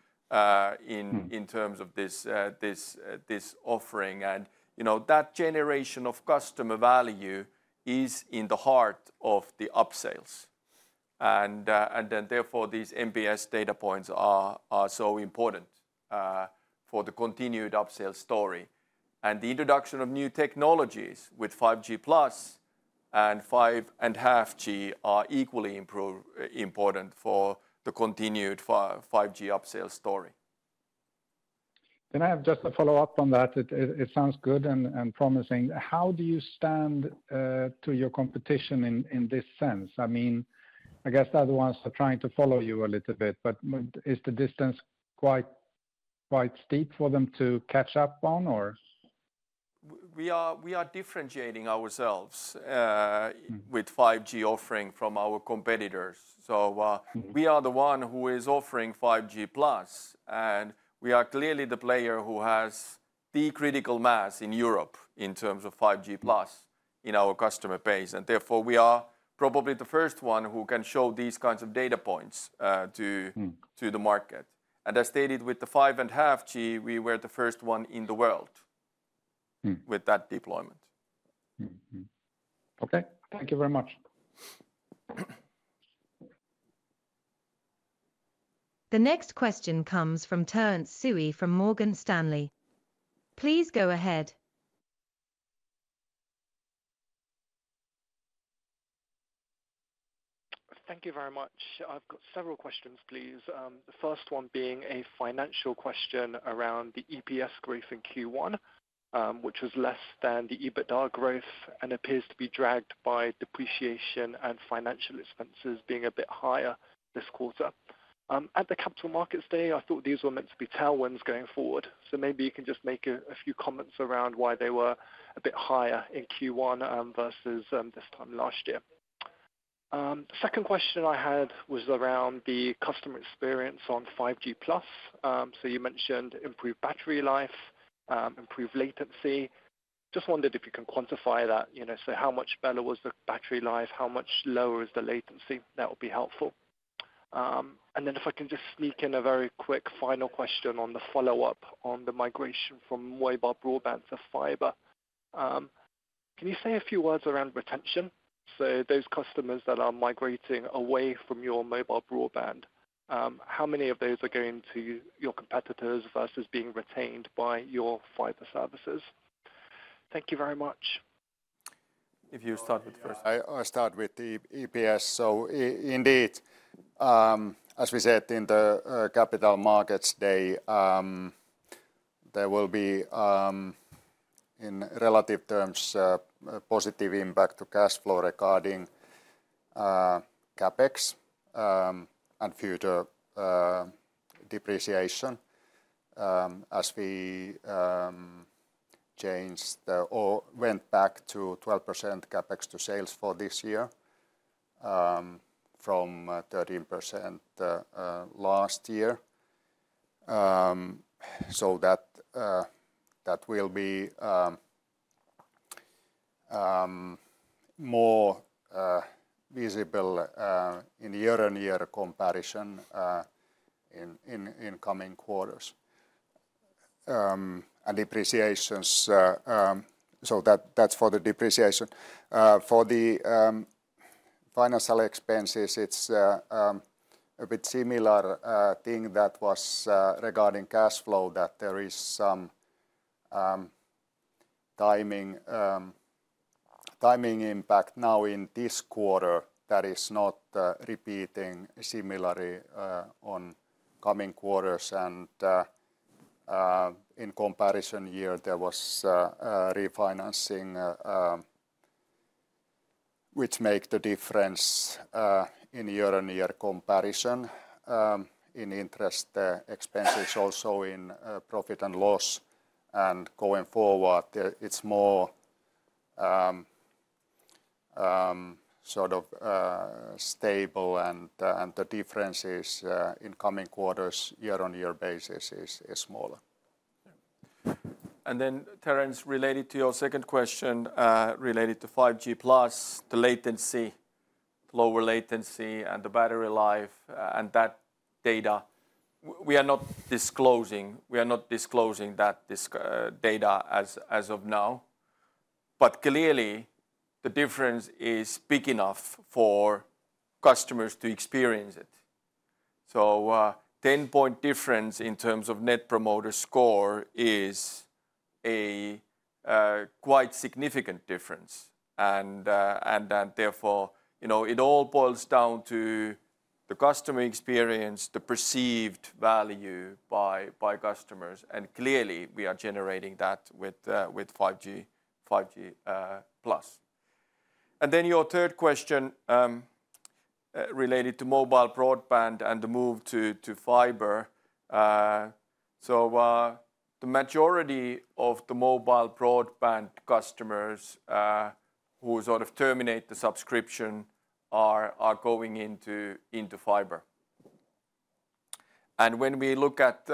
in terms of this offering. That generation of customer value is at the heart of the upsells. Therefore, these NPS data points are so important for the continued upsell story. The introduction of new technologies with 5G+ and 5.5G are equally important for the continued 5G upsell story. Can I have just a follow-up on that? It sounds good and promising. How do you stand to your competition in this sense? I mean, I guess the other ones are trying to follow you a little bit, but is the distance quite steep for them to catch up on, or? We are differentiating ourselves with 5G offering from our competitors. We are the one who is offering 5G+, and we are clearly the player who has the critical mass in Europe in terms of 5G+ in our customer base. Therefore, we are probably the first one who can show these kinds of data points to the market. As stated with the 5.5G, we were the first one in the world with that deployment. Okay, thank you very much. The next question comes from Terence Tsui from Morgan Stanley. Please go ahead. Thank you very much. I've got several questions, please. The first one being a financial question around the EPS growth in Q1, which was less than the EBITDA growth and appears to be dragged by depreciation and financial expenses being a bit higher this quarter. At the Capital Markets Day, I thought these were meant to be tailwinds going forward. Maybe you can just make a few comments around why they were a bit higher in Q1 versus this time last year. The second question I had was around the customer experience on 5G+. You mentioned improved battery life, improved latency. I just wondered if you can quantify that. How much better was the battery life? How much lower is the latency? That would be helpful. If I can just sneak in a very quick final question on the follow-up on the migration from mobile broadband to fiber. Can you say a few words around retention? Those customers that are migrating away from your mobile broadband, how many of those are going to your competitors versus being retained by your fiber services? Thank you very much. If you start with the first. I start with the EPS. Indeed, as we said in the Capital Markets Day, there will be, in relative terms, a positive impact to cash flow regarding CapEx and future depreciation as we changed or went back to 12% CapEx to sales for this year from 13% last year. That will be more visible in year-on-year comparison in coming quarters. Depreciations, so that is for the depreciation. For the financial expenses, it is a bit similar thing that was regarding cash flow that there is some timing impact now in this quarter that is not repeating similarly in coming quarters. In comparison year, there was refinancing, which makes the difference in year-on-year comparison in interest expenses, also in profit and loss. Going forward, it is more sort of stable, and the differences in coming quarters year-on-year basis is smaller. Terrence, related to your second question related to 5G+, the latency, lower latency, and the battery life and that data, we are not disclosing. We are not disclosing that data as of now. Clearly, the difference is big enough for customers to experience it. A 10-point difference in terms of Net Promoter Score is a quite significant difference. Therefore, it all boils down to the customer experience, the perceived value by customers. Clearly, we are generating that with 5G+. Your third question related to mobile broadband and the move to fiber. The majority of the mobile broadband customers who sort of terminate the subscription are going into fiber. When we look at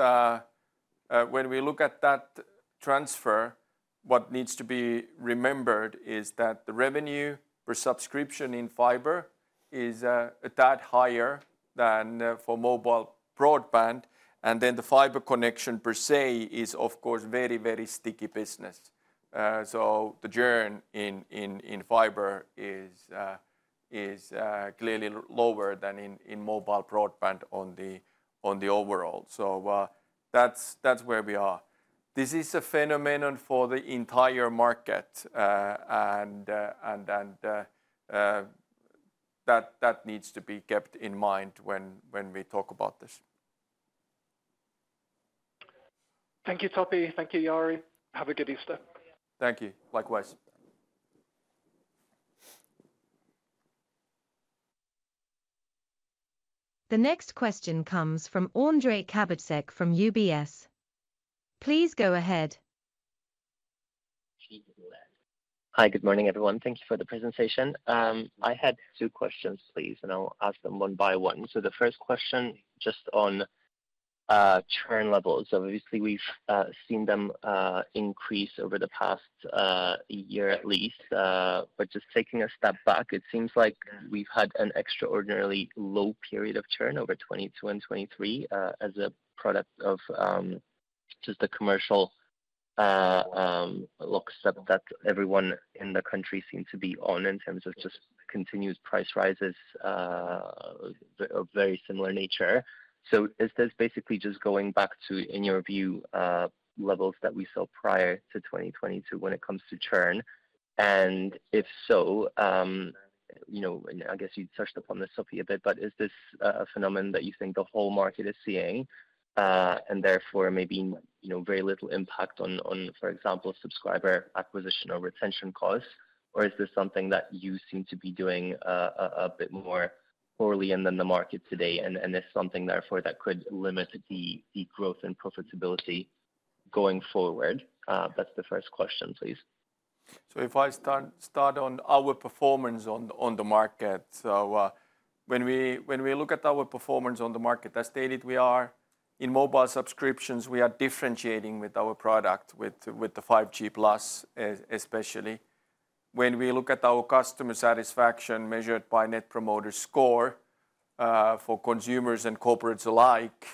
that transfer, what needs to be remembered is that the revenue per subscription in fiber is higher than for mobile broadband. The fiber connection per se is, of course, very, very sticky business. The churn in fiber is clearly lower than in mobile broadband on the overall. That is where we are. This is a phenomenon for the entire market, and that needs to be kept in mind when we talk about this. Thank you, Topi. Thank you, Jari. Have a good Easter. Thank you. Likewise. The next question comes from Ondrej Cabejsek from UBS. Please go ahead. Hi, good morning, everyone. Thank you for the presentation. I had two questions, please, and I'll ask them one by one. The first question just on churn levels. Obviously, we've seen them increase over the past year at least. Just taking a step back, it seems like we've had an extraordinarily low period of churn over 2022 and 2023 as a product of just the commercial looks that everyone in the country seemed to be on in terms of just continued price rises of very similar nature. Is this basically just going back to, in your view, levels that we saw prior to 2022 when it comes to churn? If so, I guess you touched upon this, Topi, a bit, but is this a phenomenon that you think the whole market is seeing and therefore maybe very little impact on, for example, subscriber acquisition or retention costs? Or is this something that you seem to be doing a bit more poorly in the market today? Is something therefore that could limit the growth and profitability going forward? That's the first question, please. If I start on our performance on the market, when we look at our performance on the market, as stated, we are in mobile subscriptions, we are differentiating with our product, with the 5G+, especially. When we look at our customer satisfaction measured by Net Promoter Score for consumers and corporates alike,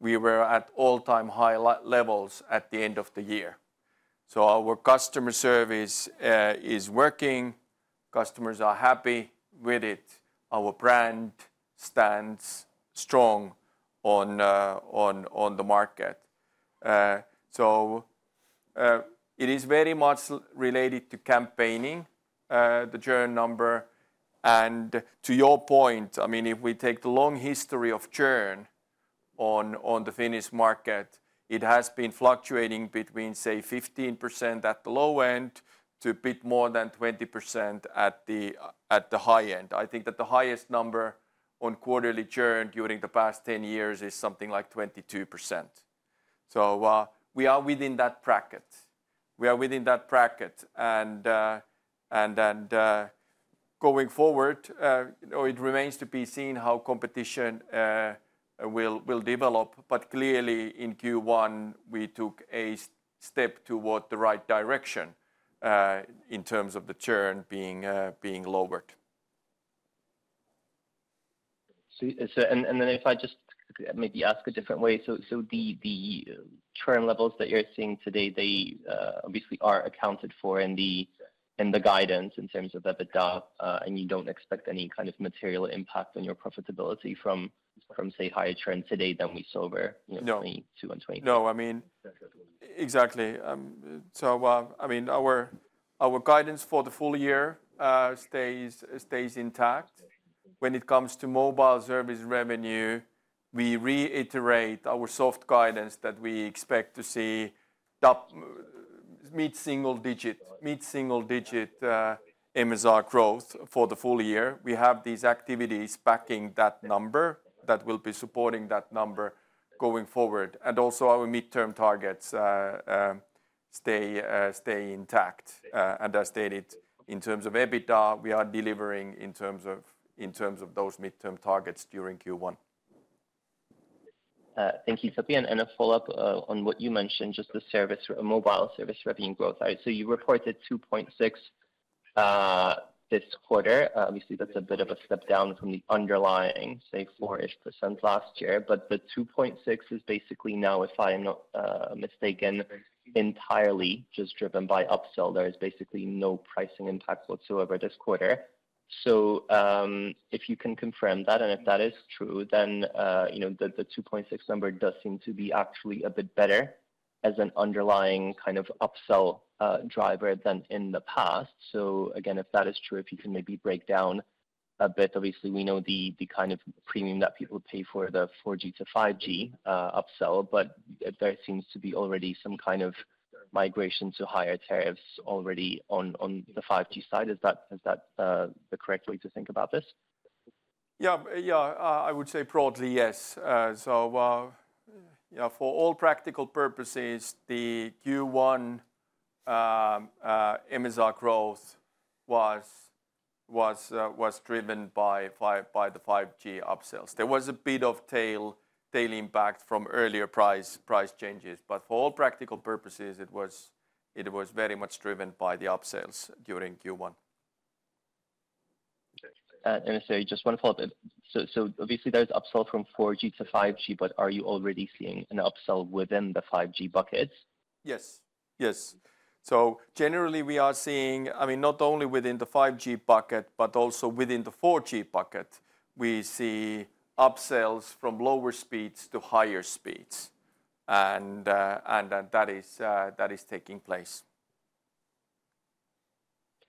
we were at all-time high levels at the end of the year. Our customer service is working. Customers are happy with it. Our brand stands strong on the market. It is very much related to campaigning, the churn number. To your point, I mean, if we take the long history of churn on the Finnish market, it has been fluctuating between, say, 15% at the low end to a bit more than 20% at the high end. I think that the highest number on quarterly churn during the past 10 years is something like 22%. We are within that bracket. We are within that bracket. Going forward, it remains to be seen how competition will develop. Clearly, in Q1, we took a step toward the right direction in terms of the churn being lowered. If I just maybe ask a different way, the churn levels that you're seeing today, they obviously are accounted for in the guidance in terms of EBITDA, and you don't expect any kind of material impact on your profitability from, say, higher churn today than we saw over 2022 and 2023. No, I mean, exactly. I mean, our guidance for the full year stays intact. When it comes to mobile service revenue, we reiterate our soft guidance that we expect to see mid-single digit MSR growth for the full year. We have these activities backing that number that will be supporting that number going forward. Also, our midterm targets stay intact. As stated, in terms of EBITDA, we are delivering in terms of those midterm targets during Q1. Thank you, Topi. A follow-up on what you mentioned, just the mobile service revenue growth. You reported 2.6% this quarter. Obviously, that's a bit of a step down from the underlying, say, 4%-ish last year. The 2.6% is basically now, if I'm not mistaken, entirely just driven by upsell. There is basically no pricing impact whatsoever this quarter. If you can confirm that, and if that is true, then the 2.6% number does seem to be actually a bit better as an underlying kind of upsell driver than in the past. If that is true, if you can maybe break down a bit, obviously, we know the kind of premium that people pay for the 4G to 5G upsell, but there seems to be already some kind of migration to higher tariffs already on the 5G side. Is that the correct way to think about this? Yeah, yeah I would say broadly yes. For all practical purposes, the Q1 MSR growth was driven by the 5G upsells. There was a bit of tail impact from earlier price changes. For all practical purposes, it was very much driven by the upsells during Q1. Just one follow-up. Obviously, there is upsell from 4G to 5G, but are you already seeing an upsell within the 5G bucket? Yes, yes. Generally, we are seeing, I mean, not only within the 5G bucket, but also within the 4G bucket, we see upsells from lower speeds to higher speeds. That is taking place.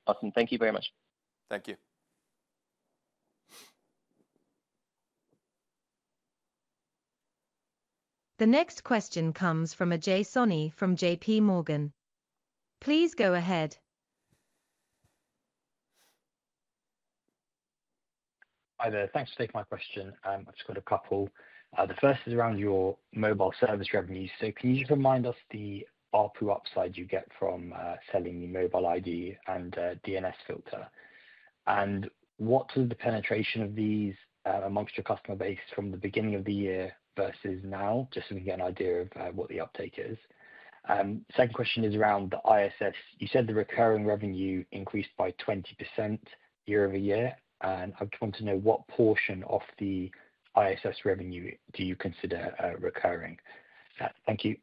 Awesome. Thank you very much. Thank you. The next question comes from Ajay Soni from JP Morgan. Please go ahead. Hi there. Thanks for taking my question. I've just got a couple. The first is around your mobile service revenue. Can you just remind us the RPU upside you get from selling the Mobile ID and DNS Filter? What was the penetration of these amongst your customer base from the beginning of the year versus now, just so we can get an idea of what the uptake is? Second question is around the ISS. You said the recurring revenue increased by 20% year over year. I just want to know what portion of the ISS revenue you consider recurring. Thank you.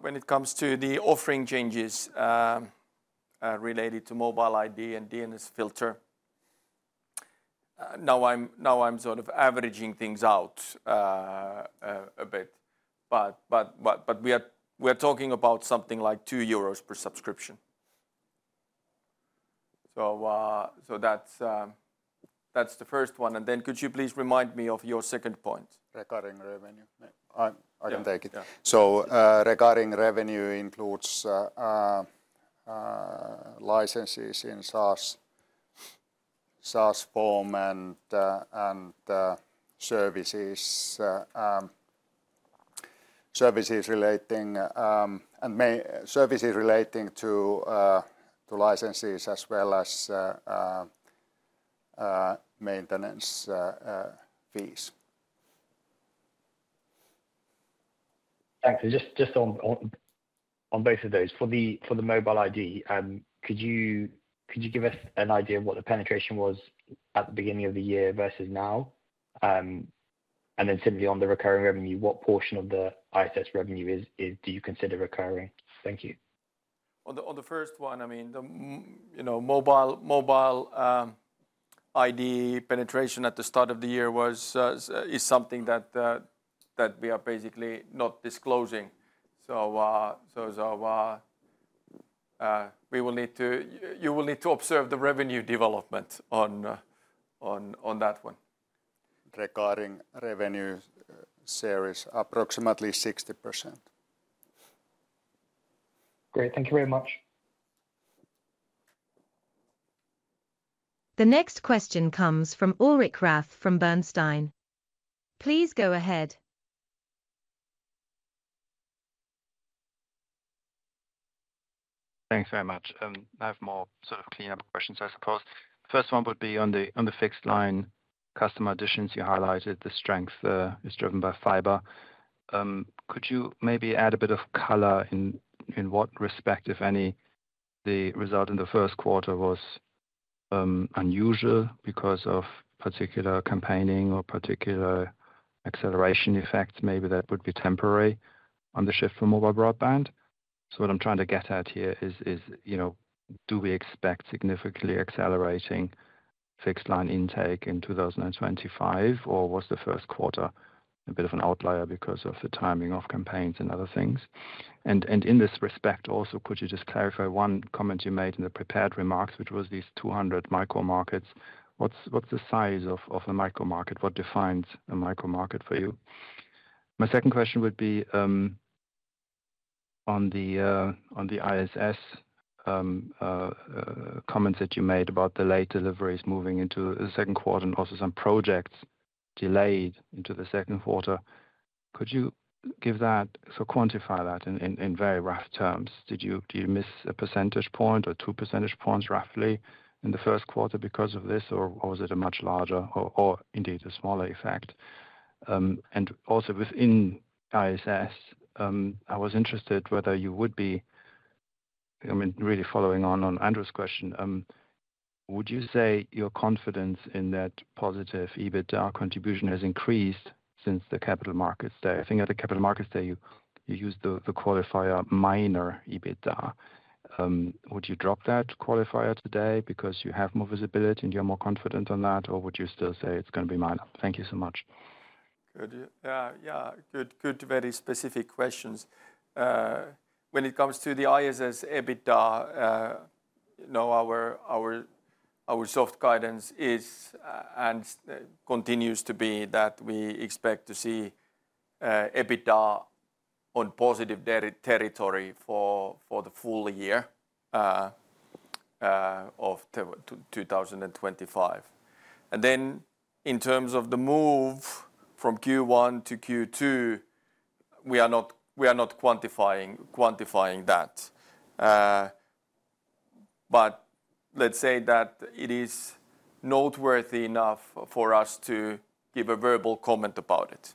When it comes to the offering changes related to Mobile ID and DNS Filter, now I'm sort of averaging things out a bit. We are talking about something like 2 euros per subscription. That's the first one. Could you please remind me of your second point? Regarding revenue. I can take it. Regarding revenue, it includes licenses in SaaS, SaaS form, and services relating to licenses as well as maintenance fees. Thanks. Just on both of those, for the Mobile ID, could you give us an idea of what the penetration was at the beginning of the year versus now? Then simply on the recurring revenue, what portion of the ISS revenue do you consider recurring? Thank you. On the first one, I mean, the Mobile ID penetration at the start of the year is something that we are basically not disclosing. So we will need to observe the revenue development on that one. Regarding revenue share is approximately 60%. Great. Thank you very much. The next question comes from Ulrich Rathe from Bernstein. Please go ahead. Thanks very much. I have more sort of clean-up questions, I suppose. The first one would be on the fixed-line customer additions you highlighted, the strength is driven by fiber. Could you maybe add a bit of color in what respect, if any, the result in the first quarter was unusual because of particular campaigning or particular acceleration effects? Maybe that would be temporary on the shift from mobile broadband. What I'm trying to get at here is, do we expect significantly accelerating fixed-line intake in 2025, or was the first quarter a bit of an outlier because of the timing of campaigns and other things? In this respect, also, could you just clarify one comment you made in the prepared remarks, which was these 200 micro-markets? What's the size of the micro-market? What defines a micro-market for you? My second question would be on the ISS comments that you made about the late deliveries moving into the second quarter and also some projects delayed into the second quarter. Could you give that, so quantify that in very rough terms? Did you miss a percentage point or two percentage points roughly in the first quarter because of this, or was it a much larger or indeed a smaller effect? Also within ISS, I was interested whether you would be, I mean, really following on Andrew's question, would you say your confidence in that positive EBITDA contribution has increased since the capital markets day? I think at the capital markets day, you used the qualifier minor EBITDA. Would you drop that qualifier today because you have more visibility and you're more confident on that, or would you still say it's going to be minor? Thank you so much. Good. Yeah, yeah. Good, very specific questions. When it comes to the ISS EBITDA, our soft guidance is and continues to be that we expect to see EBITDA on positive territory for the full year of 2025. In terms of the move from Q1 to Q2, we are not quantifying that. Let's say that it is noteworthy enough for us to give a verbal comment about it.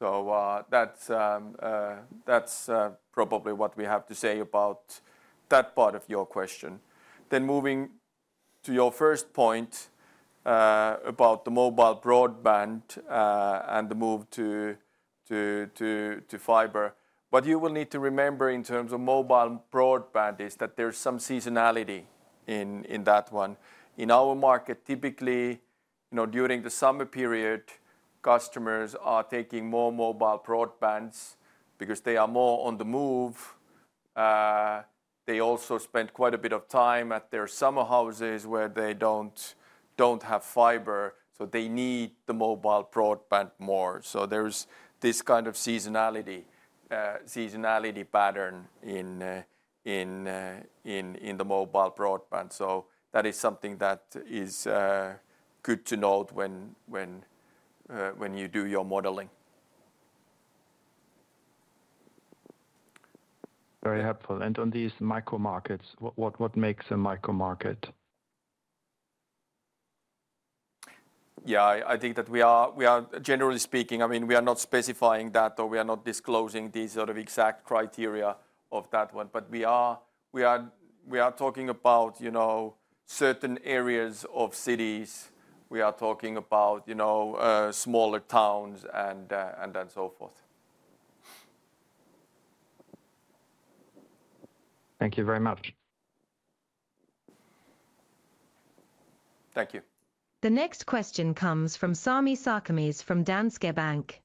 That is probably what we have to say about that part of your question. Moving to your first point about the mobile broadband and the move to fiber, what you will need to remember in terms of mobile broadband is that there's some seasonality in that one. In our market, typically during the summer period, customers are taking more mobile broadbands because they are more on the move. They also spend quite a bit of time at their summer houses where they do not have fiber. They need the mobile broadband more. There is this kind of seasonality pattern in the mobile broadband. That is something that is good to note when you do your modeling. Very helpful. On these micro-markets, what makes a micro-market? Yeah, I think that we are, generally speaking, I mean, we are not specifying that or we are not disclosing these sort of exact criteria of that one. We are talking about certain areas of cities. We are talking about smaller towns and so forth. Thank you very much. Thank you. The next question comes from Sami Sarkamies from Danske Bank.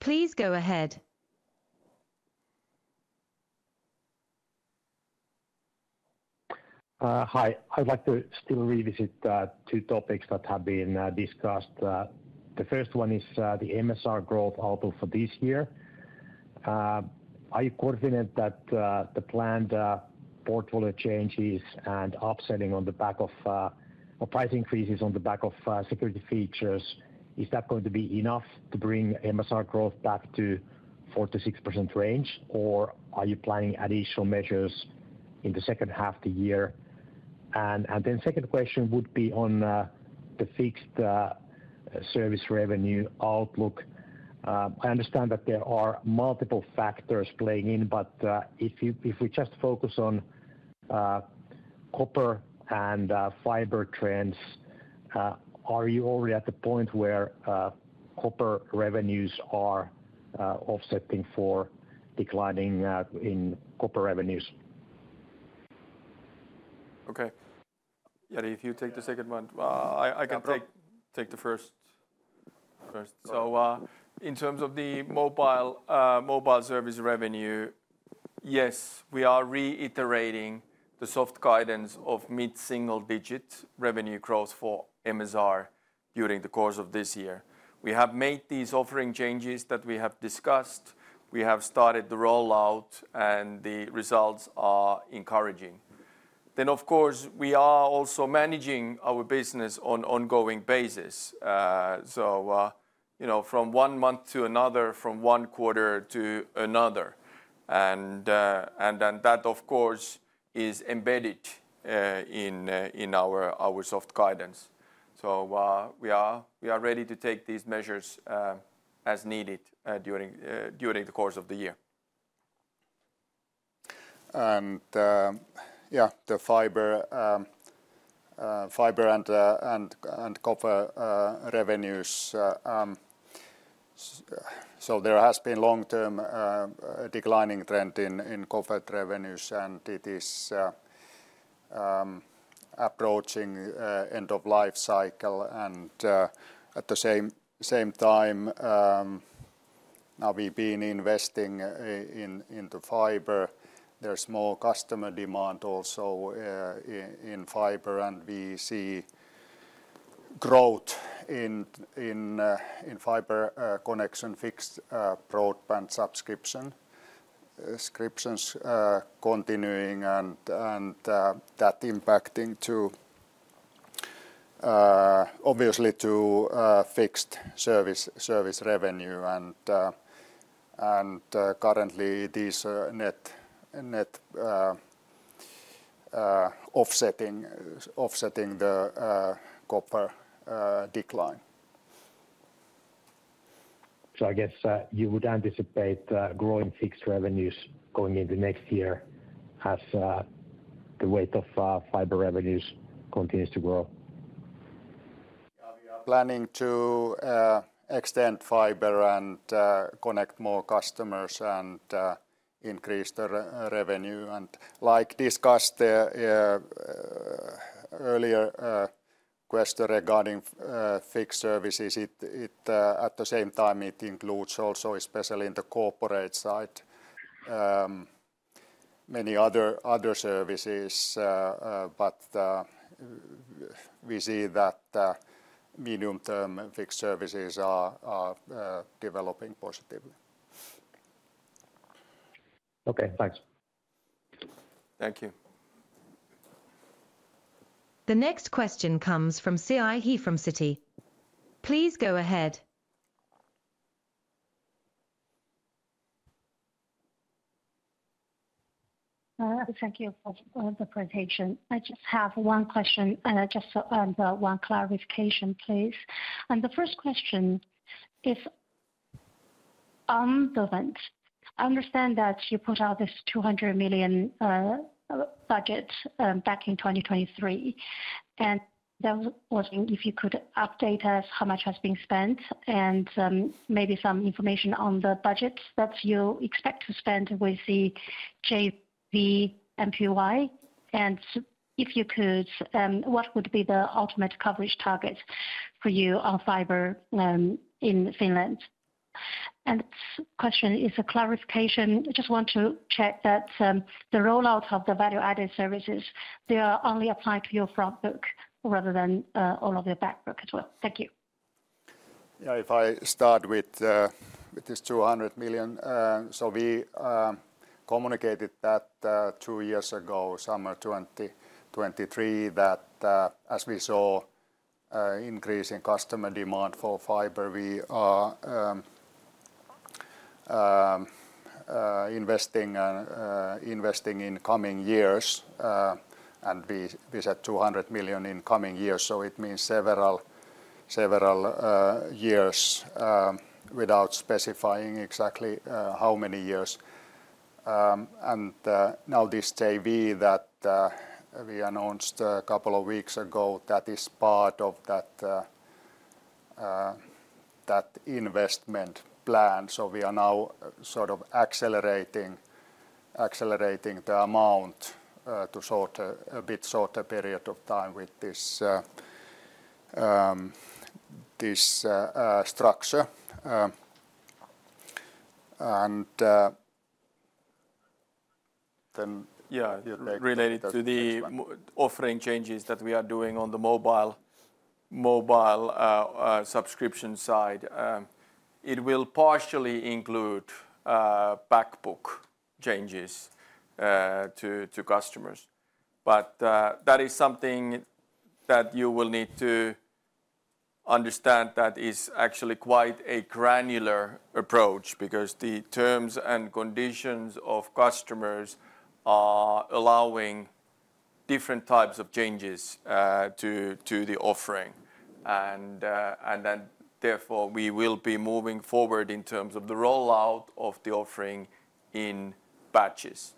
Please go ahead. Hi. I'd like to still revisit two topics that have been discussed. The first one is the MSR growth outlook for this year. Are you confident that the planned portfolio changes and upselling on the back of price increases on the back of security features, is that going to be enough to bring MSR growth back to the 4-6% range, or are you planning additional measures in the second half of the year? The second question would be on the fixed service revenue outlook. I understand that there are multiple factors playing in, but if we just focus on copper and fiber trends, are you already at the point where copper revenues are offsetting for declining in copper revenues? Okay. Yeah, if you take the second one, I can take the first. In terms of the mobile service revenue, yes, we are reiterating the soft guidance of mid-single digit revenue growth for MSR during the course of this year. We have made these offering changes that we have discussed. We have started the rollout, and the results are encouraging. Of course, we are also managing our business on an ongoing basis, from one month to another, from one quarter to another. That, of course, is embedded in our soft guidance. We are ready to take these measures as needed during the course of the year. Yeah, the fiber and copper revenues. There has been a long-term declining trend in copper revenues, and it is approaching the end of the life cycle. At the same time, now we've been investing into fiber. There is more customer demand also in fiber, and we see growth in fiber connection fixed broadband subscriptions continuing, and that impacting obviously to fixed service revenue. Currently, these are net offsetting the copper decline. I guess you would anticipate growing fixed revenues going into next year as the weight of fiber revenues continues to grow? Planning to extend fiber and connect more customers and increase the revenue. Like discussed earlier, the question regarding fixed services, at the same time, it includes also, especially in the corporate side, many other services. We see that medium-term fixed services are developing positively. Okay. Thanks. Thank you. The next question comes from Siyi He from Citi. Please go ahead. Thank you for the presentation. I just have one question and just one clarification, please. The first question is on the rent. I understand that you put out this 200 million budget back in 2023. If you could update us how much has been spent and maybe some information on the budgets that you expect to spend with the JV MPY. If you could, what would be the ultimate coverage target for you on fiber in Finland? The question is a clarification. I just want to check that the rollout of the value-added services, they are only applied to your front book rather than all of your back book as well. Thank you. Yeah, if I start with this 200 million. We communicated that two years ago, summer 2023, that as we saw an increase in customer demand for fiber, we are investing in coming years. We said 200 million in coming years. It means several years without specifying exactly how many years. This JV that we announced a couple of weeks ago is part of that investment plan. We are now sort of accelerating the amount to a bit shorter period of time with this structure. Then. Yeah, related to the offering changes that we are doing on the mobile subscription side, it will partially include backbook changes to customers. That is something that you will need to understand that is actually quite a granular approach because the terms and conditions of customers are allowing different types of changes to the offering. Therefore, we will be moving forward in terms of the rollout of the offering in batches.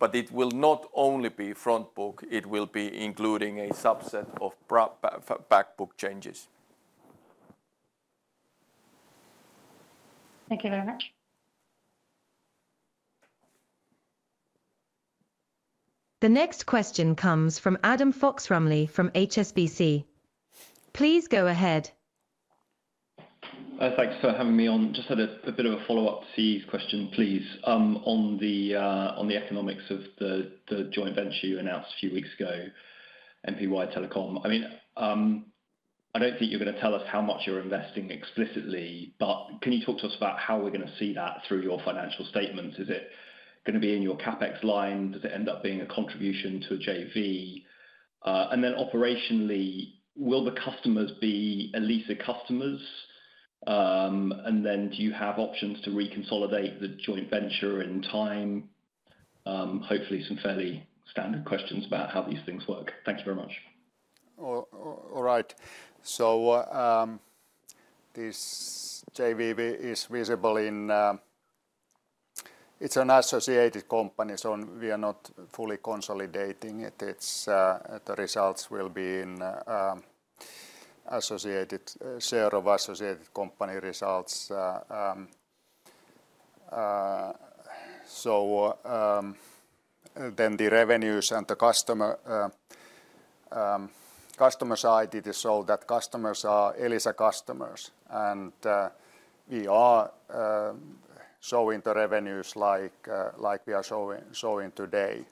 It will not only be front book. It will be including a subset of backbook changes. Thank you very much. The next question comes from Adam Fox-Rumley from HSBC. Please go ahead. Thanks for having me on. Just had a bit of a follow-up to Sia's question, please. On the economics of the joint venture you announced a few weeks ago, MPY Telecom, I mean, I don't think you're going to tell us how much you're investing explicitly, but can you talk to us about how we're going to see that through your financial statements? Is it going to be in your CapEx line? Does it end up being a contribution to a JV? Operationally, will the customers be Elisa customers? Do you have options to reconsolidate the joint venture in time? Hopefully, some fairly standard questions about how these things work. Thank you very much. All right. This JV is visible in it's an associated company, so we are not fully consolidating it. The results will be in associated share of associated company results. The revenues and the customer side is so that customers are Elisa customers. We are showing the revenues like we are showing today.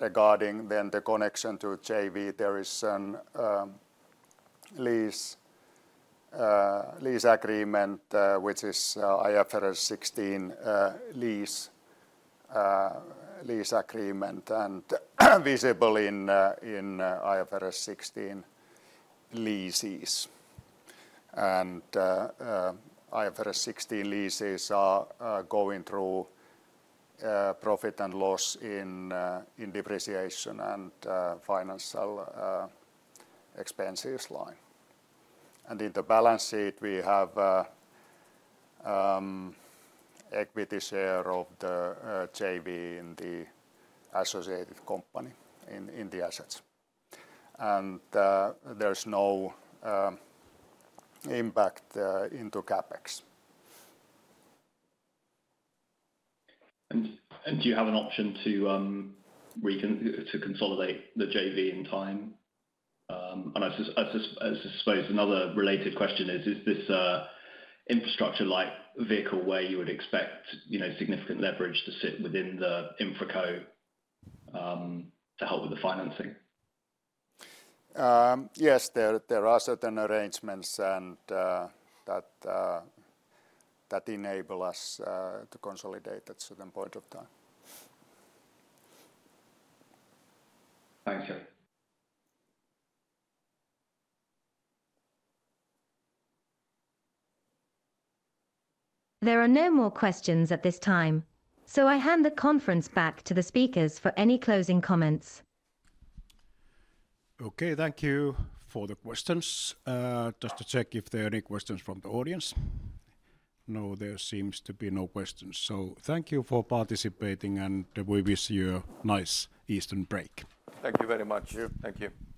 Regarding the connection to JV, there is a lease agreement, which is IFRS 16 lease agreement and visible in IFRS 16 leases. IFRS 16 leases are going through profit and loss in depreciation and financial expenses line. In the balance sheet, we have equity share of the JV in the associated company in the assets. There is no impact into CapEx. Do you have an option to consolidate the JV in time? I suppose another related question is, is this infrastructure-like vehicle where you would expect significant leverage to sit within the InfraCo to help with the financing? Yes, there are certain arrangements that enable us to consolidate at a certain point of time. Thank you. There are no more questions at this time. I hand the conference back to the speakers for any closing comments. Okay, thank you for the questions. Just to check if there are any questions from the audience. No, there seems to be no questions. Thank you for participating, and we wish you a nice Eastern break. Thank you very much. Thank you.